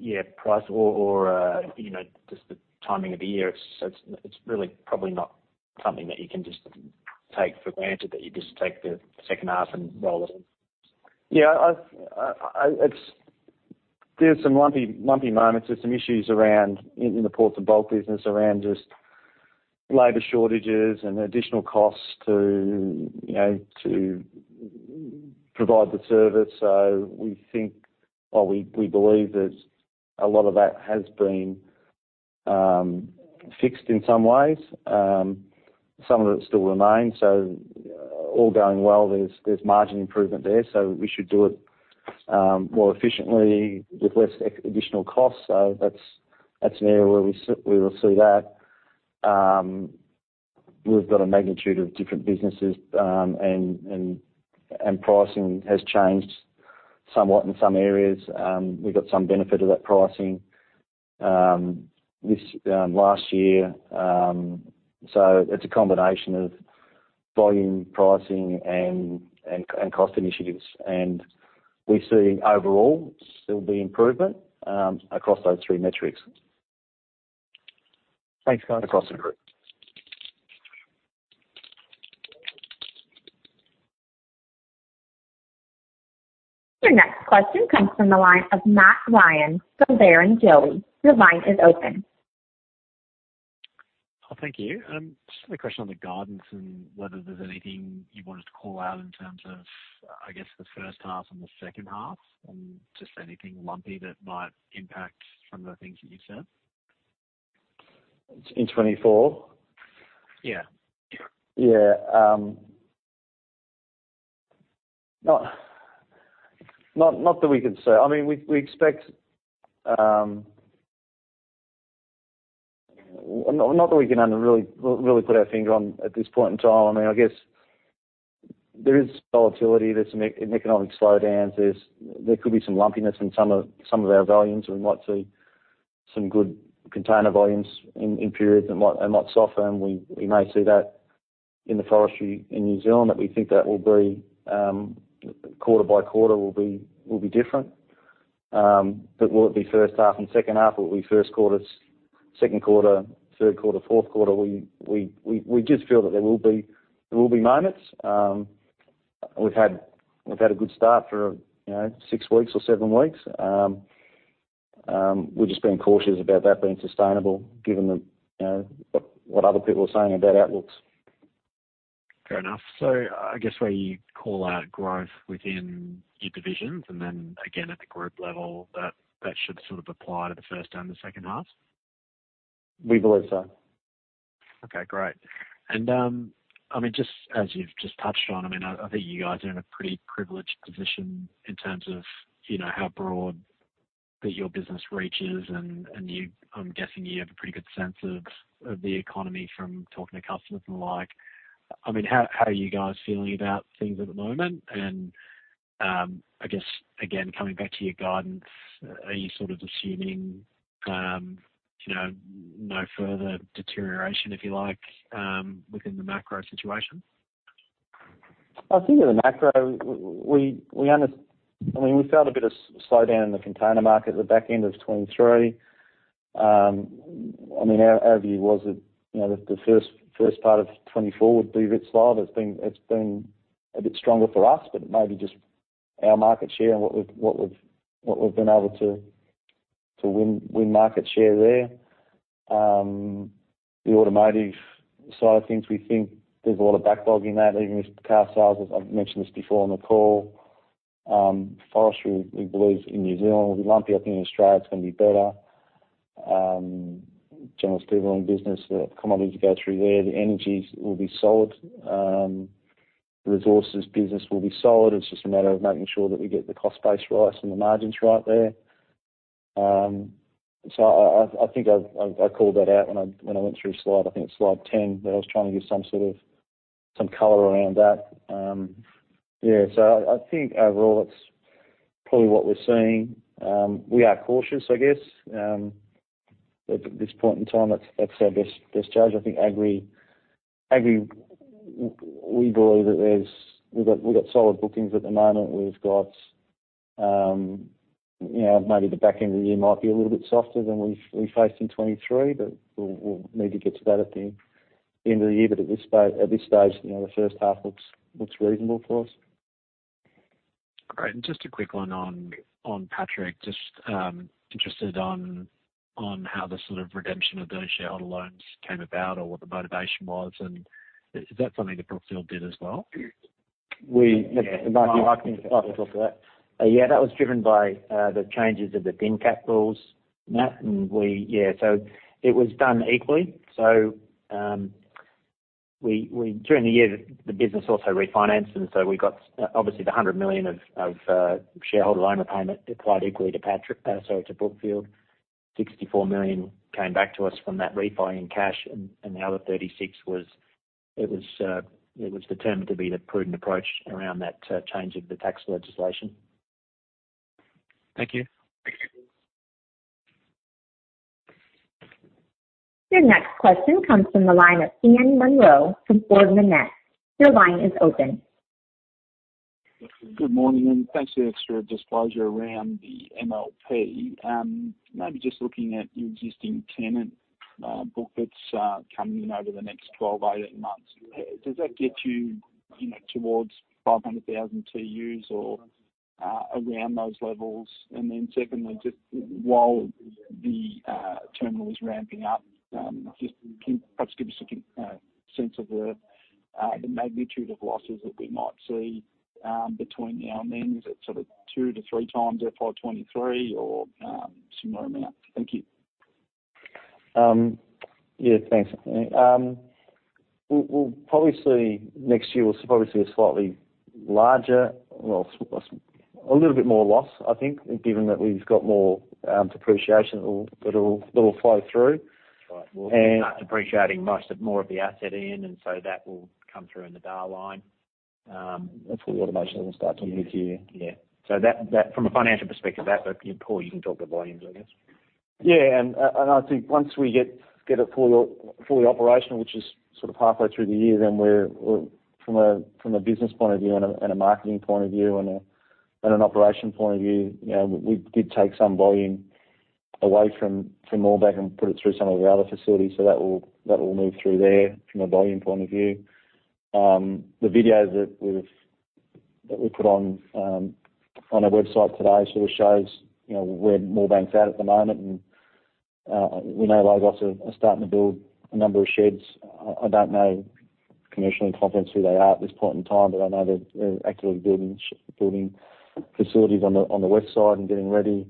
Yeah, price or, you know, just the timing of the year. So it's really probably not something that you can just take for granted, that you just take the second half and roll it in.
Yeah, I've. It's, there's some lumpy, lumpy moments. There's some issues around in the Ports and Bulk business, around just labor shortages and additional costs to, you know, to provide the service. So we think we believe that a lot of that has been fixed in some ways. Some of it still remains, so all going well, there's margin improvement there, so we should do it more efficiently with less additional cost. So that's an area where we will see that. We've got a magnitude of different businesses, and pricing has changed somewhat in some areas. We've got some benefit of that pricing this last year. So it's a combination of volume, pricing, and cost initiatives, and we see overall there'll be improvement across those three metrics.
Thanks, guys.
Across the group.
Your next question comes from the line of Matt Ryan from Barrenjoey. Your line is open.
Oh, thank you. Just a question on the guidance and whether there's anything you wanted to call out in terms of, I guess, the first half and the second half, and just anything lumpy that might impact some of the things that you said?
In 2024?
Yeah.
Yeah, not that we could say. I mean, we expect not that we can really, really put our finger on at this point in time. I mean, I guess there is volatility, there's some an economic slowdowns. There could be some lumpiness in some of our volumes. We might see some good container volumes in periods that might, they might soften. We may see that in the forestry in New Zealand, that we think that will be quarter-by-quarter will be different. But will it be first half and second half, or will it be first quarter, second quarter, third quarter, fourth quarter? We just feel that there will be moments. We've had a good start for, you know, six weeks or seven weeks. We're just being cautious about that being sustainable, given the, you know, what other people are saying about outlooks.
Fair enough. So I guess where you call out growth within your divisions, and then again, at the group level, that, that should sort of apply to the first half and the second half?
We believe so.
Okay, great. And, I mean, just as you've just touched on, I mean, I, I think you guys are in a pretty privileged position in terms of, you know, how broad that your business reaches and, and you-- I'm guessing you have a pretty good sense of, of the economy from talking to customers and the like. I mean, how, how are you guys feeling about things at the moment? And, I guess, again, coming back to your guidance, are you sort of assuming, you know, no further deterioration, if you like, within the macro situation?
I think in the macro, I mean, we felt a bit of slowdown in the container market at the back end of 2023. I mean, our view was that, you know, the first part of 2024 would be a bit slower. It's been a bit stronger for us, but it may be just our market share and what we've been able to win market share there. The automotive side of things, we think there's a lot of backlog in that, even with car sales. I've mentioned this before on the call. Forestry, we believe in New Zealand will be lumpy. I think in Australia it's going to be better. General stevedoring business, the commodities go through there, the energies will be solid. The resources business will be solid. It's just a matter of making sure that we get the cost base right and the margins right there. So I think I called that out when I went through slide 10, but I was trying to give some sort of color around that. Yeah, so I think overall, that's probably what we're seeing. We are cautious, I guess. But at this point in time, that's our best judge. I think Agri we believe that there's we've got solid bookings at the moment. We've got you know, maybe the back end of the year might be a little bit softer than we've faced in 2023, but we'll need to get to that at the end of the year. At this stage, you know, the first half looks reasonable for us.
Great. And just a quick one on Patrick. Just interested in how the sort of redemption of those shareholder loans came about or what the motivation was, and is that something that Brookfield did as well?
We-
Yeah.
Mark, you might want to talk to that. Yeah, that was driven by the changes of the thin cap, Matt. Yeah, so it was done equally. So, during the year, the business also refinanced, and so we got obviously the 100 million shareholder loan repayment applied equally to Patrick, sorry, to Brookfield. 64 million came back to us from that refi in cash, and the other 36 million was determined to be the prudent approach around that change of the tax legislation.
Thank you.
Your next question comes from the line of Ian Munro from Ord Minnett. Your line is open.
Good morning, and thanks for the extra disclosure around the MLP. Maybe just looking at your existing tenant book that's coming in over the next 12-18 months. Does that get you, you know, towards 500,000 TEUs or around those levels? And then secondly, just while the terminal is ramping up, just can perhaps give us a sense of the magnitude of losses that we might see between now and then. Is it sort of two to three times at FY23 or similar amount? Thank you.
Yeah, thanks, Ian. We'll probably see next year a slightly larger, well, a little bit more loss, I think, given that we've got more depreciation that'll flow through.
Right.
And We'll start depreciating most of, more of the asset in, and so that will come through in the D&A line.
That's where the automation will start in mid-year.
Yeah. So that, that from a financial perspective, that look, Paul, you can talk the volumes, I guess.
Yeah, and I think once we get it fully operational, which is sort of halfway through the year, then we're from a business point of view and a marketing point of view, and an operation point of view, you know, we did take some volume away from Moorebank and put it through some of our other facilities. So that will move through there from a volume point of view. The videos that we put on our website today sort of shows, you know, where Moorebank's at the moment, and we know LOGOS are starting to build a number of sheds. I don't know commercially in confidence who they are at this point in time, but I know they're actively building facilities on the west side and getting ready.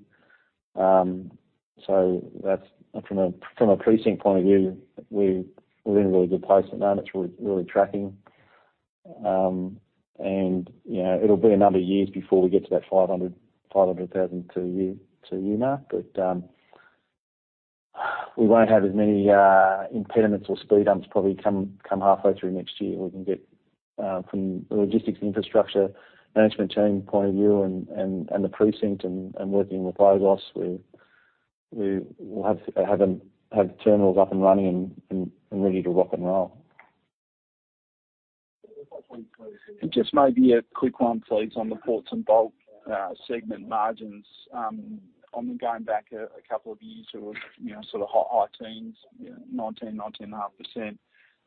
So that's from a precinct point of view, we're in a really good place at the moment. It's really tracking. And, you know, it'll be a number of years before we get to that 500,000 TEU mark, but we won't have as many impediments or speed bumps probably come halfway through next year. We can get from a logistics infrastructure management team point of view and the precinct and working with LOGOS, we will have the terminals up and running and ready to rock and roll.
Just maybe a quick one, please, on the Ports and Bulk segment margins. On going back a couple of years to, you know, sort of high, high teens, you know, 19, 19.5%,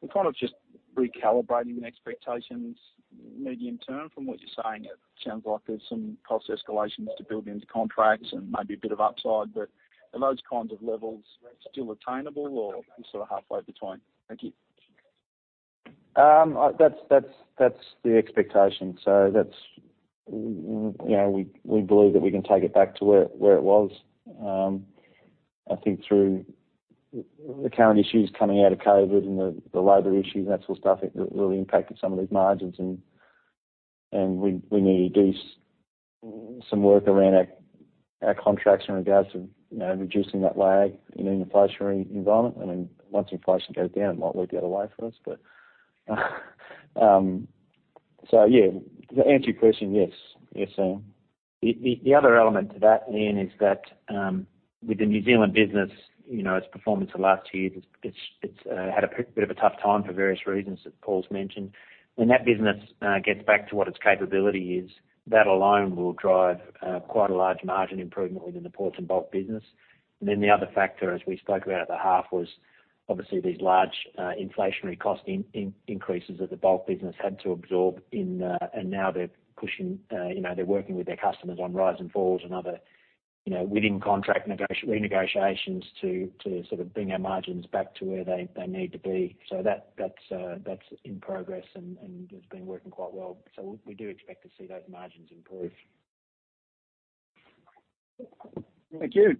we're kind of just recalibrating the expectations medium term. From what you're saying, it sounds like there's some cost escalations to build into contracts and maybe a bit of upside, but are those kinds of levels still attainable or sort of halfway between? Thank you.
That's, that's, that's the expectation. So that's, you know, we, we believe that we can take it back to where, where it was. I think through the current issues coming out of COVID and the, the labor issues and that sort of stuff, it really impacted some of these margins and, and we, we need to do some work around our, our contracts in regards to, you know, reducing that lag in an inflationary environment. And then once inflation goes down, it might lead the other way for us. But, so yeah, to answer your question, yes. Yes, Ian. The other element to that, Ian, is that, with the New Zealand business, you know, its performance the last two years, it's had a bit of a tough time for various reasons that Paul's mentioned. When that business gets back to what its capability is, that alone will drive quite a large margin improvement within the Ports and Bulk business. And then the other factor, as we spoke about at the half, was obviously these large inflationary cost increases that the bulk business had to absorb in. And now they're pushing, you know, they're working with their customers on rise and falls and other, you know, within contract renegotiations to sort of bring our margins back to where they need to be. So that, that's in progress and it's been working quite well. So we do expect to see those margins improve.
Thank you.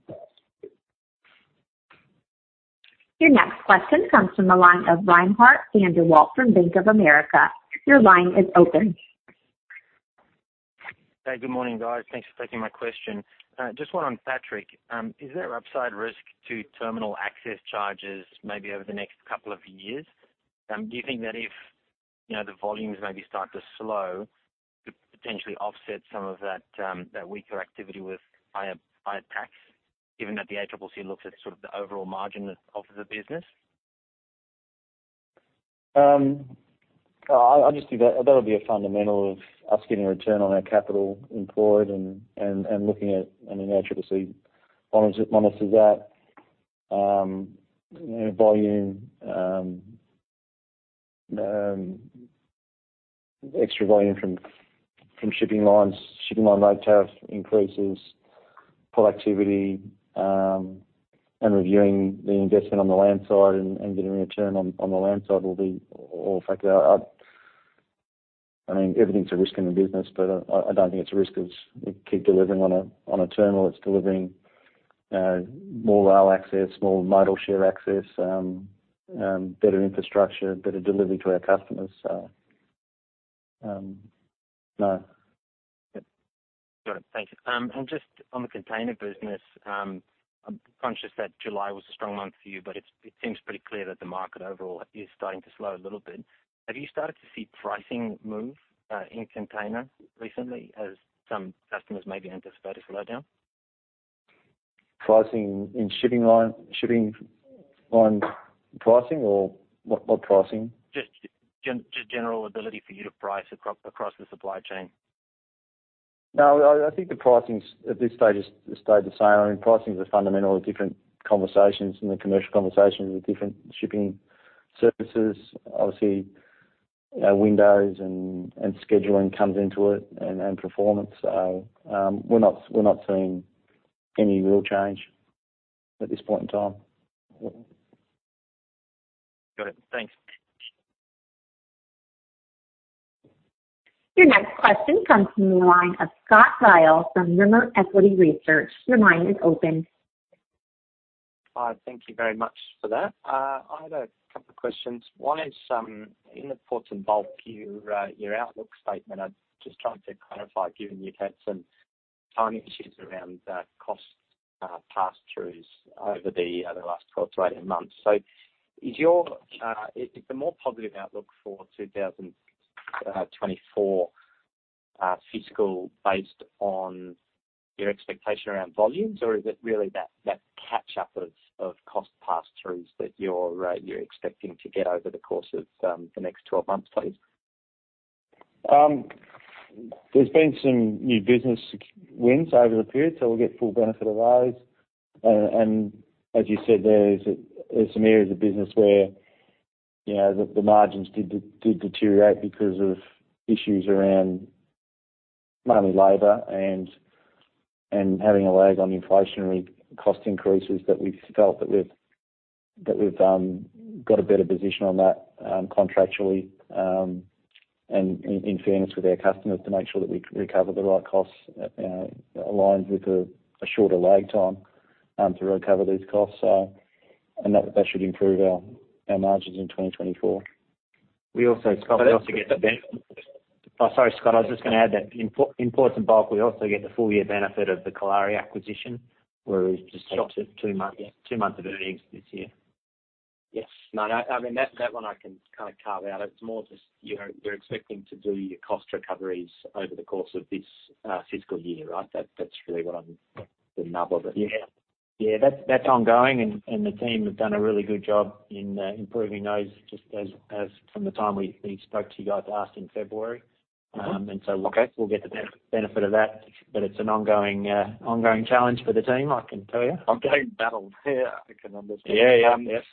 Your next question comes from the line of Reinhardt van der Walt from Bank of America. Your line is open.
Hey, good morning, guys. Thanks for taking my question. Just one on Patrick. Is there upside risk to terminal access charges maybe over the next couple of years? Do you think that if, you know, the volumes maybe start to slow, could potentially offset some of that, that weaker activity with higher, higher tax, given that the ACCC looks at sort of the overall margin of the business?
I just think that, that'll be a fundamental of us getting a return on our capital employed and looking at, I mean, our ACCC monitors that volume, extra volume from shipping lines, shipping line load tariff increases, productivity, and reviewing the investment on the land side and getting a return on the land side will all factor out. I mean, everything's a risk in the business, but I don't think it's a risk as we keep delivering on a terminal. It's delivering more rail access, more modal share access, better infrastructure, better delivery to our customers. So- no. Yep.
Got it. Thank you. Just on the container business, I'm conscious that July was a strong month for you, but it, it seems pretty clear that the market overall is starting to slow a little bit. Have you started to see pricing move in container recently, as some customers may be anticipating a slowdown?
Pricing in shipping line, shipping on pricing or what? What pricing?
Just general ability for you to price across the supply chain.
No, I think the pricing at this stage has stayed the same. I mean, pricing is a fundamentally different conversations and the commercial conversations with different shipping services. Obviously, our windows and scheduling comes into it and performance. So, we're not seeing any real change at this point in time.
Got it. Thanks.
Your next question comes from the line of Scott Ryall from Rimor Equity Research. Your line is open.
Hi, thank you very much for that. I had a couple of questions. One is, in the Ports and Bulk, you, your outlook statement, I'm just trying to clarify, given you've had some timing issues around, cost, pass-throughs over the, the last 12-18 months. So is your... Is the more positive outlook for 2024 fiscal based on your expectation around volumes, or is it really that, that catch-up of, of cost pass-throughs that you're, you're expecting to get over the course of, the next 12 months, please?
There's been some new business wins over the period, so we'll get full benefit of those. And as you said, there's some areas of business where, you know, the margins did deteriorate because of issues around mainly labor and having a lag on inflationary cost increases that we've felt, we've got a better position on that, contractually, and in fairness with our customers, to make sure that we recover the right costs, aligns with a shorter lag time to recover these costs. So, that should improve our margins in 2024.
We also, Scott, we also get the benefit. Oh, sorry, Scott, I was just going to add that in Ports and Bulk, we also get the full year benefit of the Kalari acquisition, where we've just got two months, two months of earnings this year.
Yes.
No, no, I mean, that one I can kind of carve out. It's more just, you know, we're expecting to do your cost recoveries over the course of this fiscal year, right? That's really what I'm, the nub of it. Yeah. Yeah, that's, that's ongoing and, and the team have done a really good job in improving those, just as, as from the time we, we spoke to you guys last in February. And so-
Okay.
We'll get the benefit of that, but it's an ongoing challenge for the team, I can tell you.
Ongoing battle. Yeah, I can understand.
Yeah. Yeah. Yep.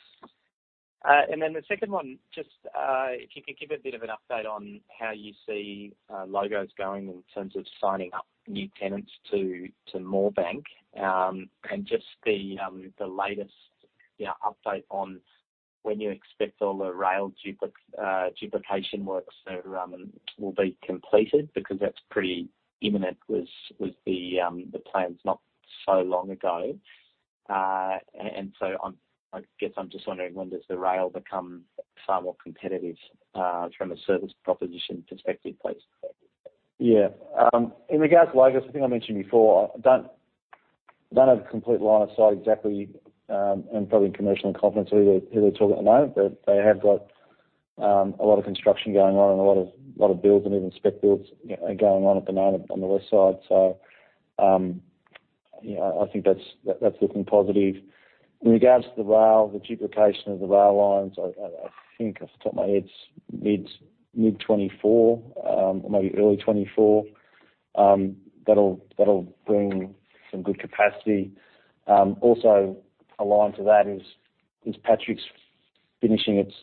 And then the second one, just, if you could give a bit of an update on how you see, LOGOS going in terms of signing up new tenants to, to Moorebank, and just the, the latest, yeah, update on when you expect all the rail duplication works to, will be completed, because that's pretty imminent with, with the, the plans not so long ago. And, and so I'm, I guess I'm just wondering, when does the rail become far more competitive, from a service proposition perspective, please?
Yeah. In regards to LOGOS, I think I mentioned before, I don't have a complete line of sight exactly, and probably in commercial and confidence either at the moment, but they have got a lot of construction going on and a lot of builds and even spec builds are going on at the moment on the west side. So, yeah, I think that's looking positive. In regards to the rail, the duplication of the rail lines, I think off the top of my head, mid-2024 or maybe early 2024, that'll bring some good capacity. Also aligned to that is Patrick's finishing its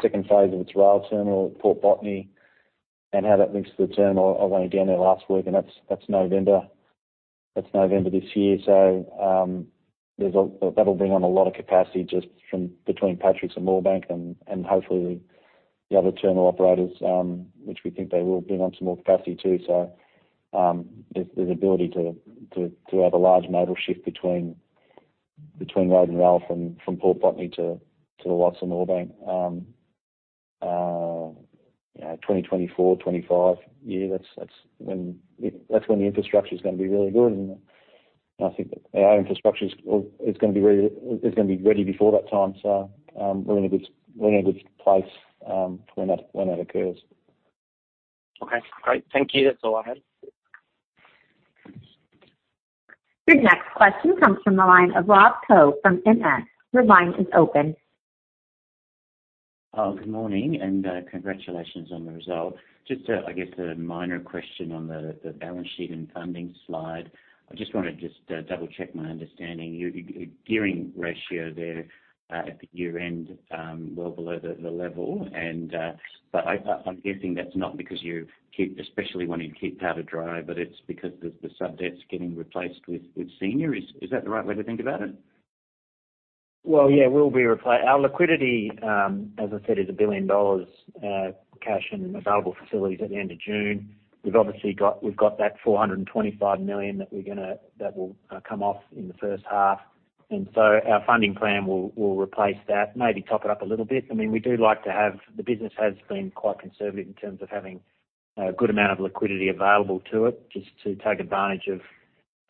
second phase of its rail terminal at Port Botany and how that links to the terminal. I went down there last week, and that's November this year. So, that'll bring on a lot of capacity just from between Patrick's and Moorebank and hopefully the other terminal operators, which we think they will bring on some more capacity too. So, there's ability to have a large modal shift between road and rail from Port Botany to the west and Moorebank. You know, 2024, 2025, yeah, that's when the infrastructure is gonna be really good, and I think our infrastructure is gonna be ready before that time. So, we're in a good place when that occurs.
Okay, great. Thank you. That's all I had.
Your next question comes from the line of Rob Koh from MS. Your line is open.
Good morning, and congratulations on the result. Just, I guess a minor question on the balance sheet and funding slide. I just want to just double-check my understanding. Your gearing ratio there at the year-end well below the level and... But I'm guessing that's not because you keep, especially wanting to keep powder dry, but it's because the sub-debt's getting replaced with senior. Is that the right way to think about it?
Well, yeah, we'll be replacing our liquidity, as I said, is 1 billion dollars, cash and available facilities at the end of June. We've obviously got that 425 million that will come off in the first half. And so our funding plan will replace that, maybe top it up a little bit. I mean, we do like to have, the business has been quite conservative in terms of having a good amount of liquidity available to it, just to take advantage of,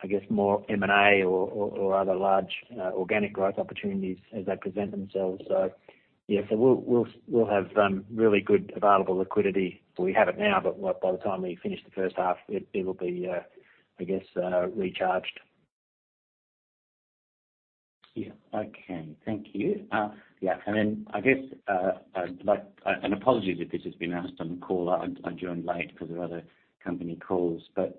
I guess, more M&A or other large organic growth opportunities as they present themselves. So yeah, we'll have really good available liquidity. We have it now, but by the time we finish the first half, it'll be, I guess, recharged.
Yeah. Okay. Thank you. Yeah, and then I guess, like, and apologies if this has been asked on the call, I joined late because of other company calls. But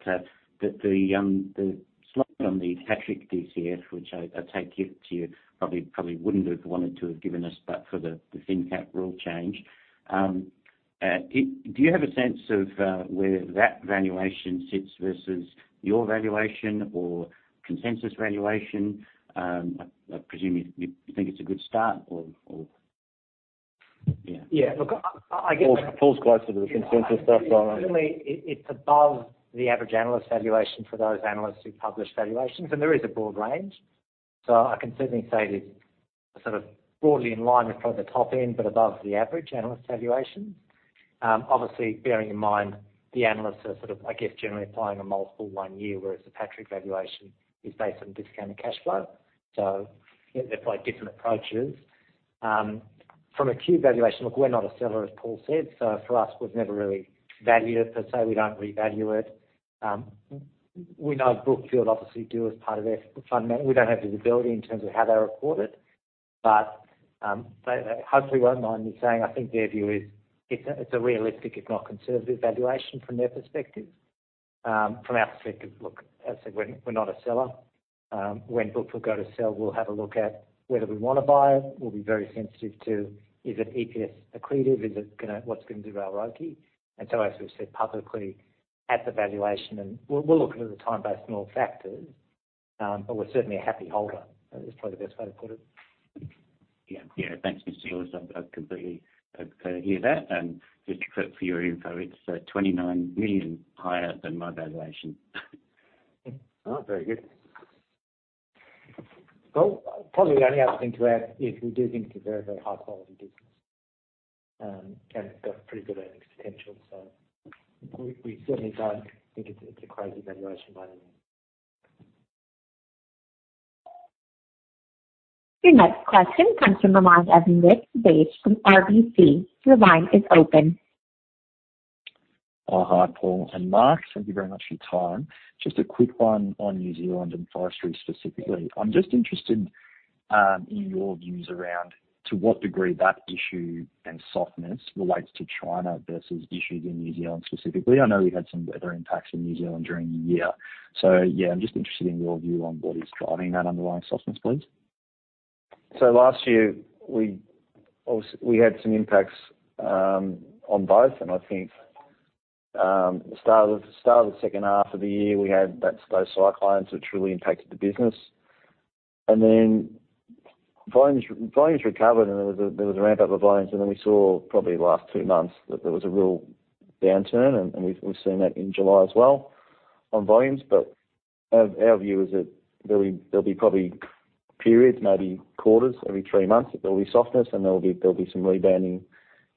the slide on the Patrick DCF, which I take it to you, probably wouldn't have wanted to have given us, but for the thin cap rule change. Do you have a sense of where that valuation sits versus your valuation or consensus valuation? I presume you think it's a good start or yeah.
Yeah, look, I guess-
Paul's closer to the consensus stuff.
Certainly, it's above the average analyst valuation for those analysts who publish valuations, and there is a broad range. So I can certainly say that it's sort of broadly in line with probably the top end, but above the average analyst valuation. Obviously, bearing in mind, the analysts are sort of, I guess, generally applying a multiple one year, whereas the Patrick valuation is based on discounted cash flow. So they're quite different approaches. From a Q valuation, look, we're not a seller, as Paul said, so for us, we've never really valued it per se. We don't revalue it. We know Brookfield obviously do as part of their fundamental, we don't have visibility in terms of how they report it, but they hopefully won't mind me saying, I think their view is it's a realistic, if not conservative, valuation from their perspective. From our perspective, look, as I said, we're not a seller. When Brookfield go to sell, we'll have a look at whether we want to buy it. We'll be very sensitive to, is it EPS accretive? Is it gonna... What's it gonna do to our ROIC? And so, as we've said publicly, at the valuation, and we'll look at it at the time, based on all factors, but we're certainly a happy holder. Is probably the best way to put it.
Yeah. Yeah, thanks, Mr. Lewis. I completely hear that. Just for your info, it's 29 million higher than my valuation.
Oh, very good. Well, probably the only other thing to add is we do think it's a very, very high-quality business, and it's got pretty good earnings potential, so we certainly don't think it's a crazy valuation by any means.
Your next question comes from the line of Nick Page from RBC. Your line is open.
Oh, hi, Paul and Mark. Thank you very much for your time. Just a quick one on New Zealand and forestry, specifically. I'm just interested in your views around to what degree that issue and softness relates to China versus issues in New Zealand specifically. I know you had some weather impacts in New Zealand during the year, so yeah, I'm just interested in your view on what is driving that underlying softness, please.
So last year, we obviously we had some impacts on both, and I think the start of the second half of the year, we had those cyclones, which really impacted the business. And then volumes recovered, and there was a ramp up of volumes, and then we saw probably the last two months that there was a real downturn, and we've seen that in July as well on volumes. But our view is that there'll be probably periods, maybe quarters, every three months, that there'll be softness and there'll be some rebounding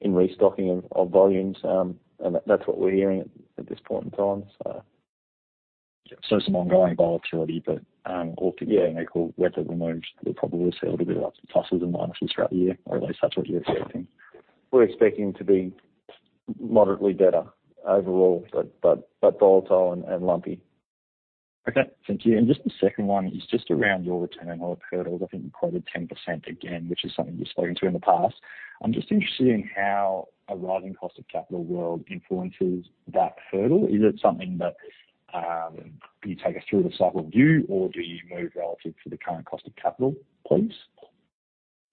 in restocking of volumes. And that's what we're hearing at this point in time, so.
So some ongoing volatility, but, or yeah, equal weather removed, we'll probably see a little bit of pluses and minuses throughout the year, or at least that's what you're expecting.
We're expecting to be moderately better overall, but volatile and lumpy.
Okay, thank you. Just the second one is just around your return or hurdles. I think you quoted 10% again, which is something you've spoken to in the past. I'm just interested in how a rising cost of capital world influences that hurdle. Is it something that can you take us through the cycle view, or do you move relative to the current cost of capital, please?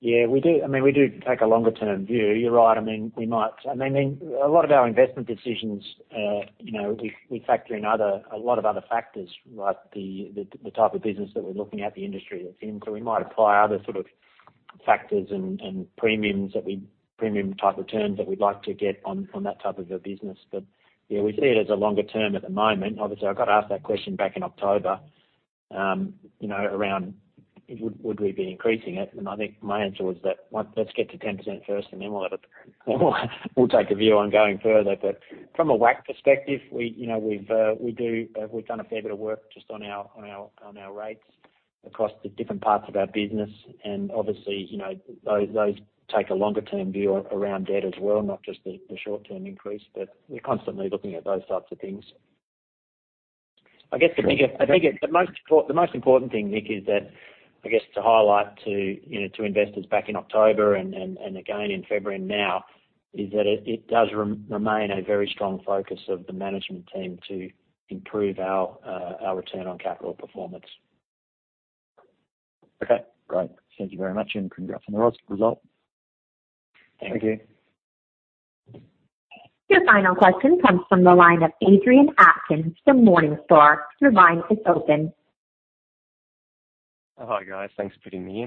Yeah, we do. I mean, we do take a longer-term view. You're right. I mean, we might... I mean, a lot of our investment decisions, you know, we factor in other, a lot of other factors, like the type of business that we're looking at, the industry that's in. So we might apply other sort of factors and premiums that we-- premium type of returns that we'd like to get on that type of a business. But yeah, we see it as a longer term at the moment. Obviously, I got asked that question back in October, you know, around would we be increasing it? And I think my answer was that, well, let's get to 10% first, and then we'll take a view on going further. But from a WACC perspective, we, you know, we've done a fair bit of work just on our rates across the different parts of our business. And obviously, you know, those take a longer-term view around debt as well, not just the short-term increase, but we're constantly looking at those types of things.
Sure.
I guess the bigger, I think the most important, the most important thing, Nick, is that, I guess, to highlight to, you know, to investors back in October and again in February and now, is that it does remain a very strong focus of the management team to improve our return on capital performance.
Okay, great. Thank you very much, and congrats on the result.
Thank you.
Your final question comes from the line of Adrian Atkins from Morningstar. Your line is open.
Hi, guys. Thanks for putting me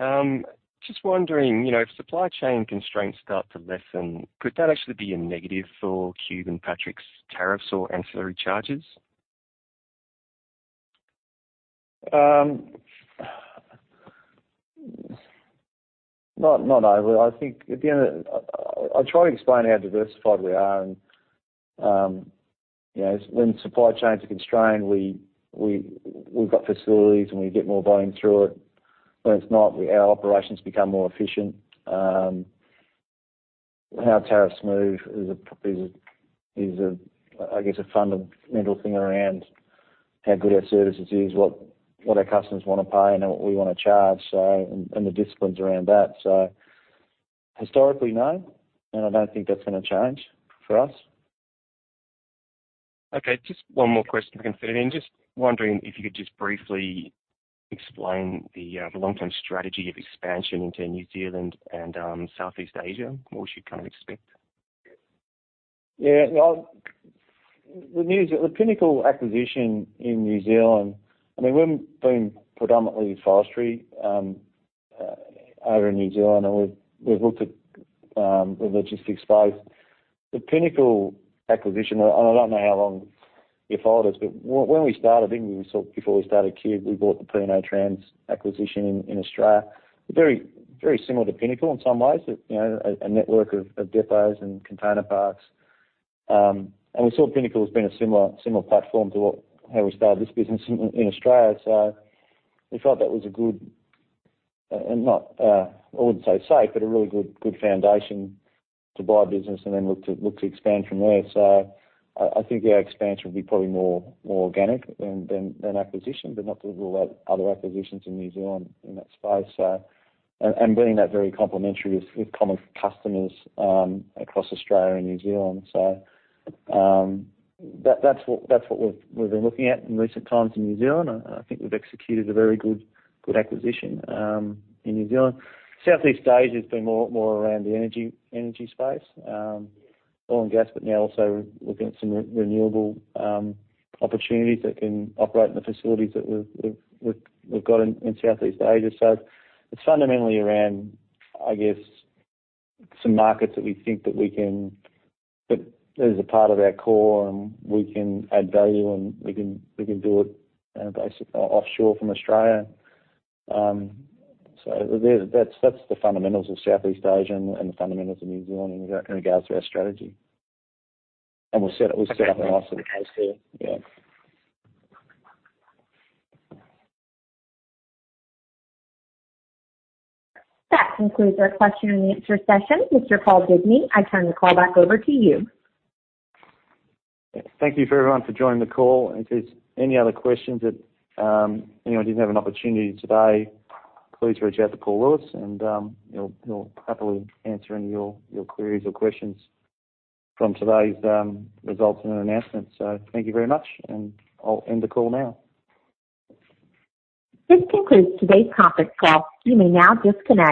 in. Just wondering, you know, if supply chain constraints start to lessen, could that actually be a negative for Qube and Patrick's tariffs or ancillary charges?
Not over. I think at the end of the—I try to explain how diversified we are and, you know, when supply chains are constrained, we've got facilities, and we get more volume through it. When it's not, our operations become more efficient. How tariffs move is a, I guess, a fundamental thing around how good our services is, what our customers want to pay, and what we want to charge, so and the disciplines around that. So historically, no, and I don't think that's gonna change for us.
Okay, just one more question if I can fit it in. Just wondering if you could just briefly explain the long-term strategy of expansion into New Zealand and Southeast Asia? What we should kind of expect.
Yeah, well, the Pinnacle acquisition in New Zealand, I mean, we've been predominantly forestry over in New Zealand, and we've looked at the logistics space. The Pinnacle acquisition, and I don't know how long you followed us, but when we started, I think we saw it before we started Qube, we bought the P&O Trans acquisition in Australia. Very, very similar to Pinnacle in some ways, it you know, a network of depots and container parks. And we saw Pinnacle as being a similar platform to what how we started this business in Australia. So we thought that was a good and not I wouldn't say safe, but a really good foundation to buy a business and then look to expand from there. So I think our expansion will be probably more organic than acquisition, but not to rule out other acquisitions in New Zealand in that space. So... And being that very complementary with common customers across Australia and New Zealand. So, that's what we've been looking at in recent times in New Zealand. I think we've executed a very good acquisition in New Zealand. Southeast Asia has been more around the energy space, oil and gas, but now also looking at some renewable opportunities that can operate in the facilities that we've got in Southeast Asia. So it's fundamentally around, I guess, some markets that we think that we can... That is a part of our core, and we can add value, and we can, we can do it on a basic offshore from Australia. So there's that, that's the fundamentals of Southeast Asia and the, and the fundamentals of New Zealand in regard, in regards to our strategy. And we'll set, we'll set up a nice little case there. Yeah.
That concludes our question and answer session. Mr. Paul Digney, I turn the call back over to you.
Thank you for everyone for joining the call, and if there's any other questions that anyone didn't have an opportunity today, please reach out to Paul, and he'll happily answer any of your queries or questions from today's results and announcements. So thank you very much, and I'll end the call now.
This concludes today's conference call. You may now disconnect.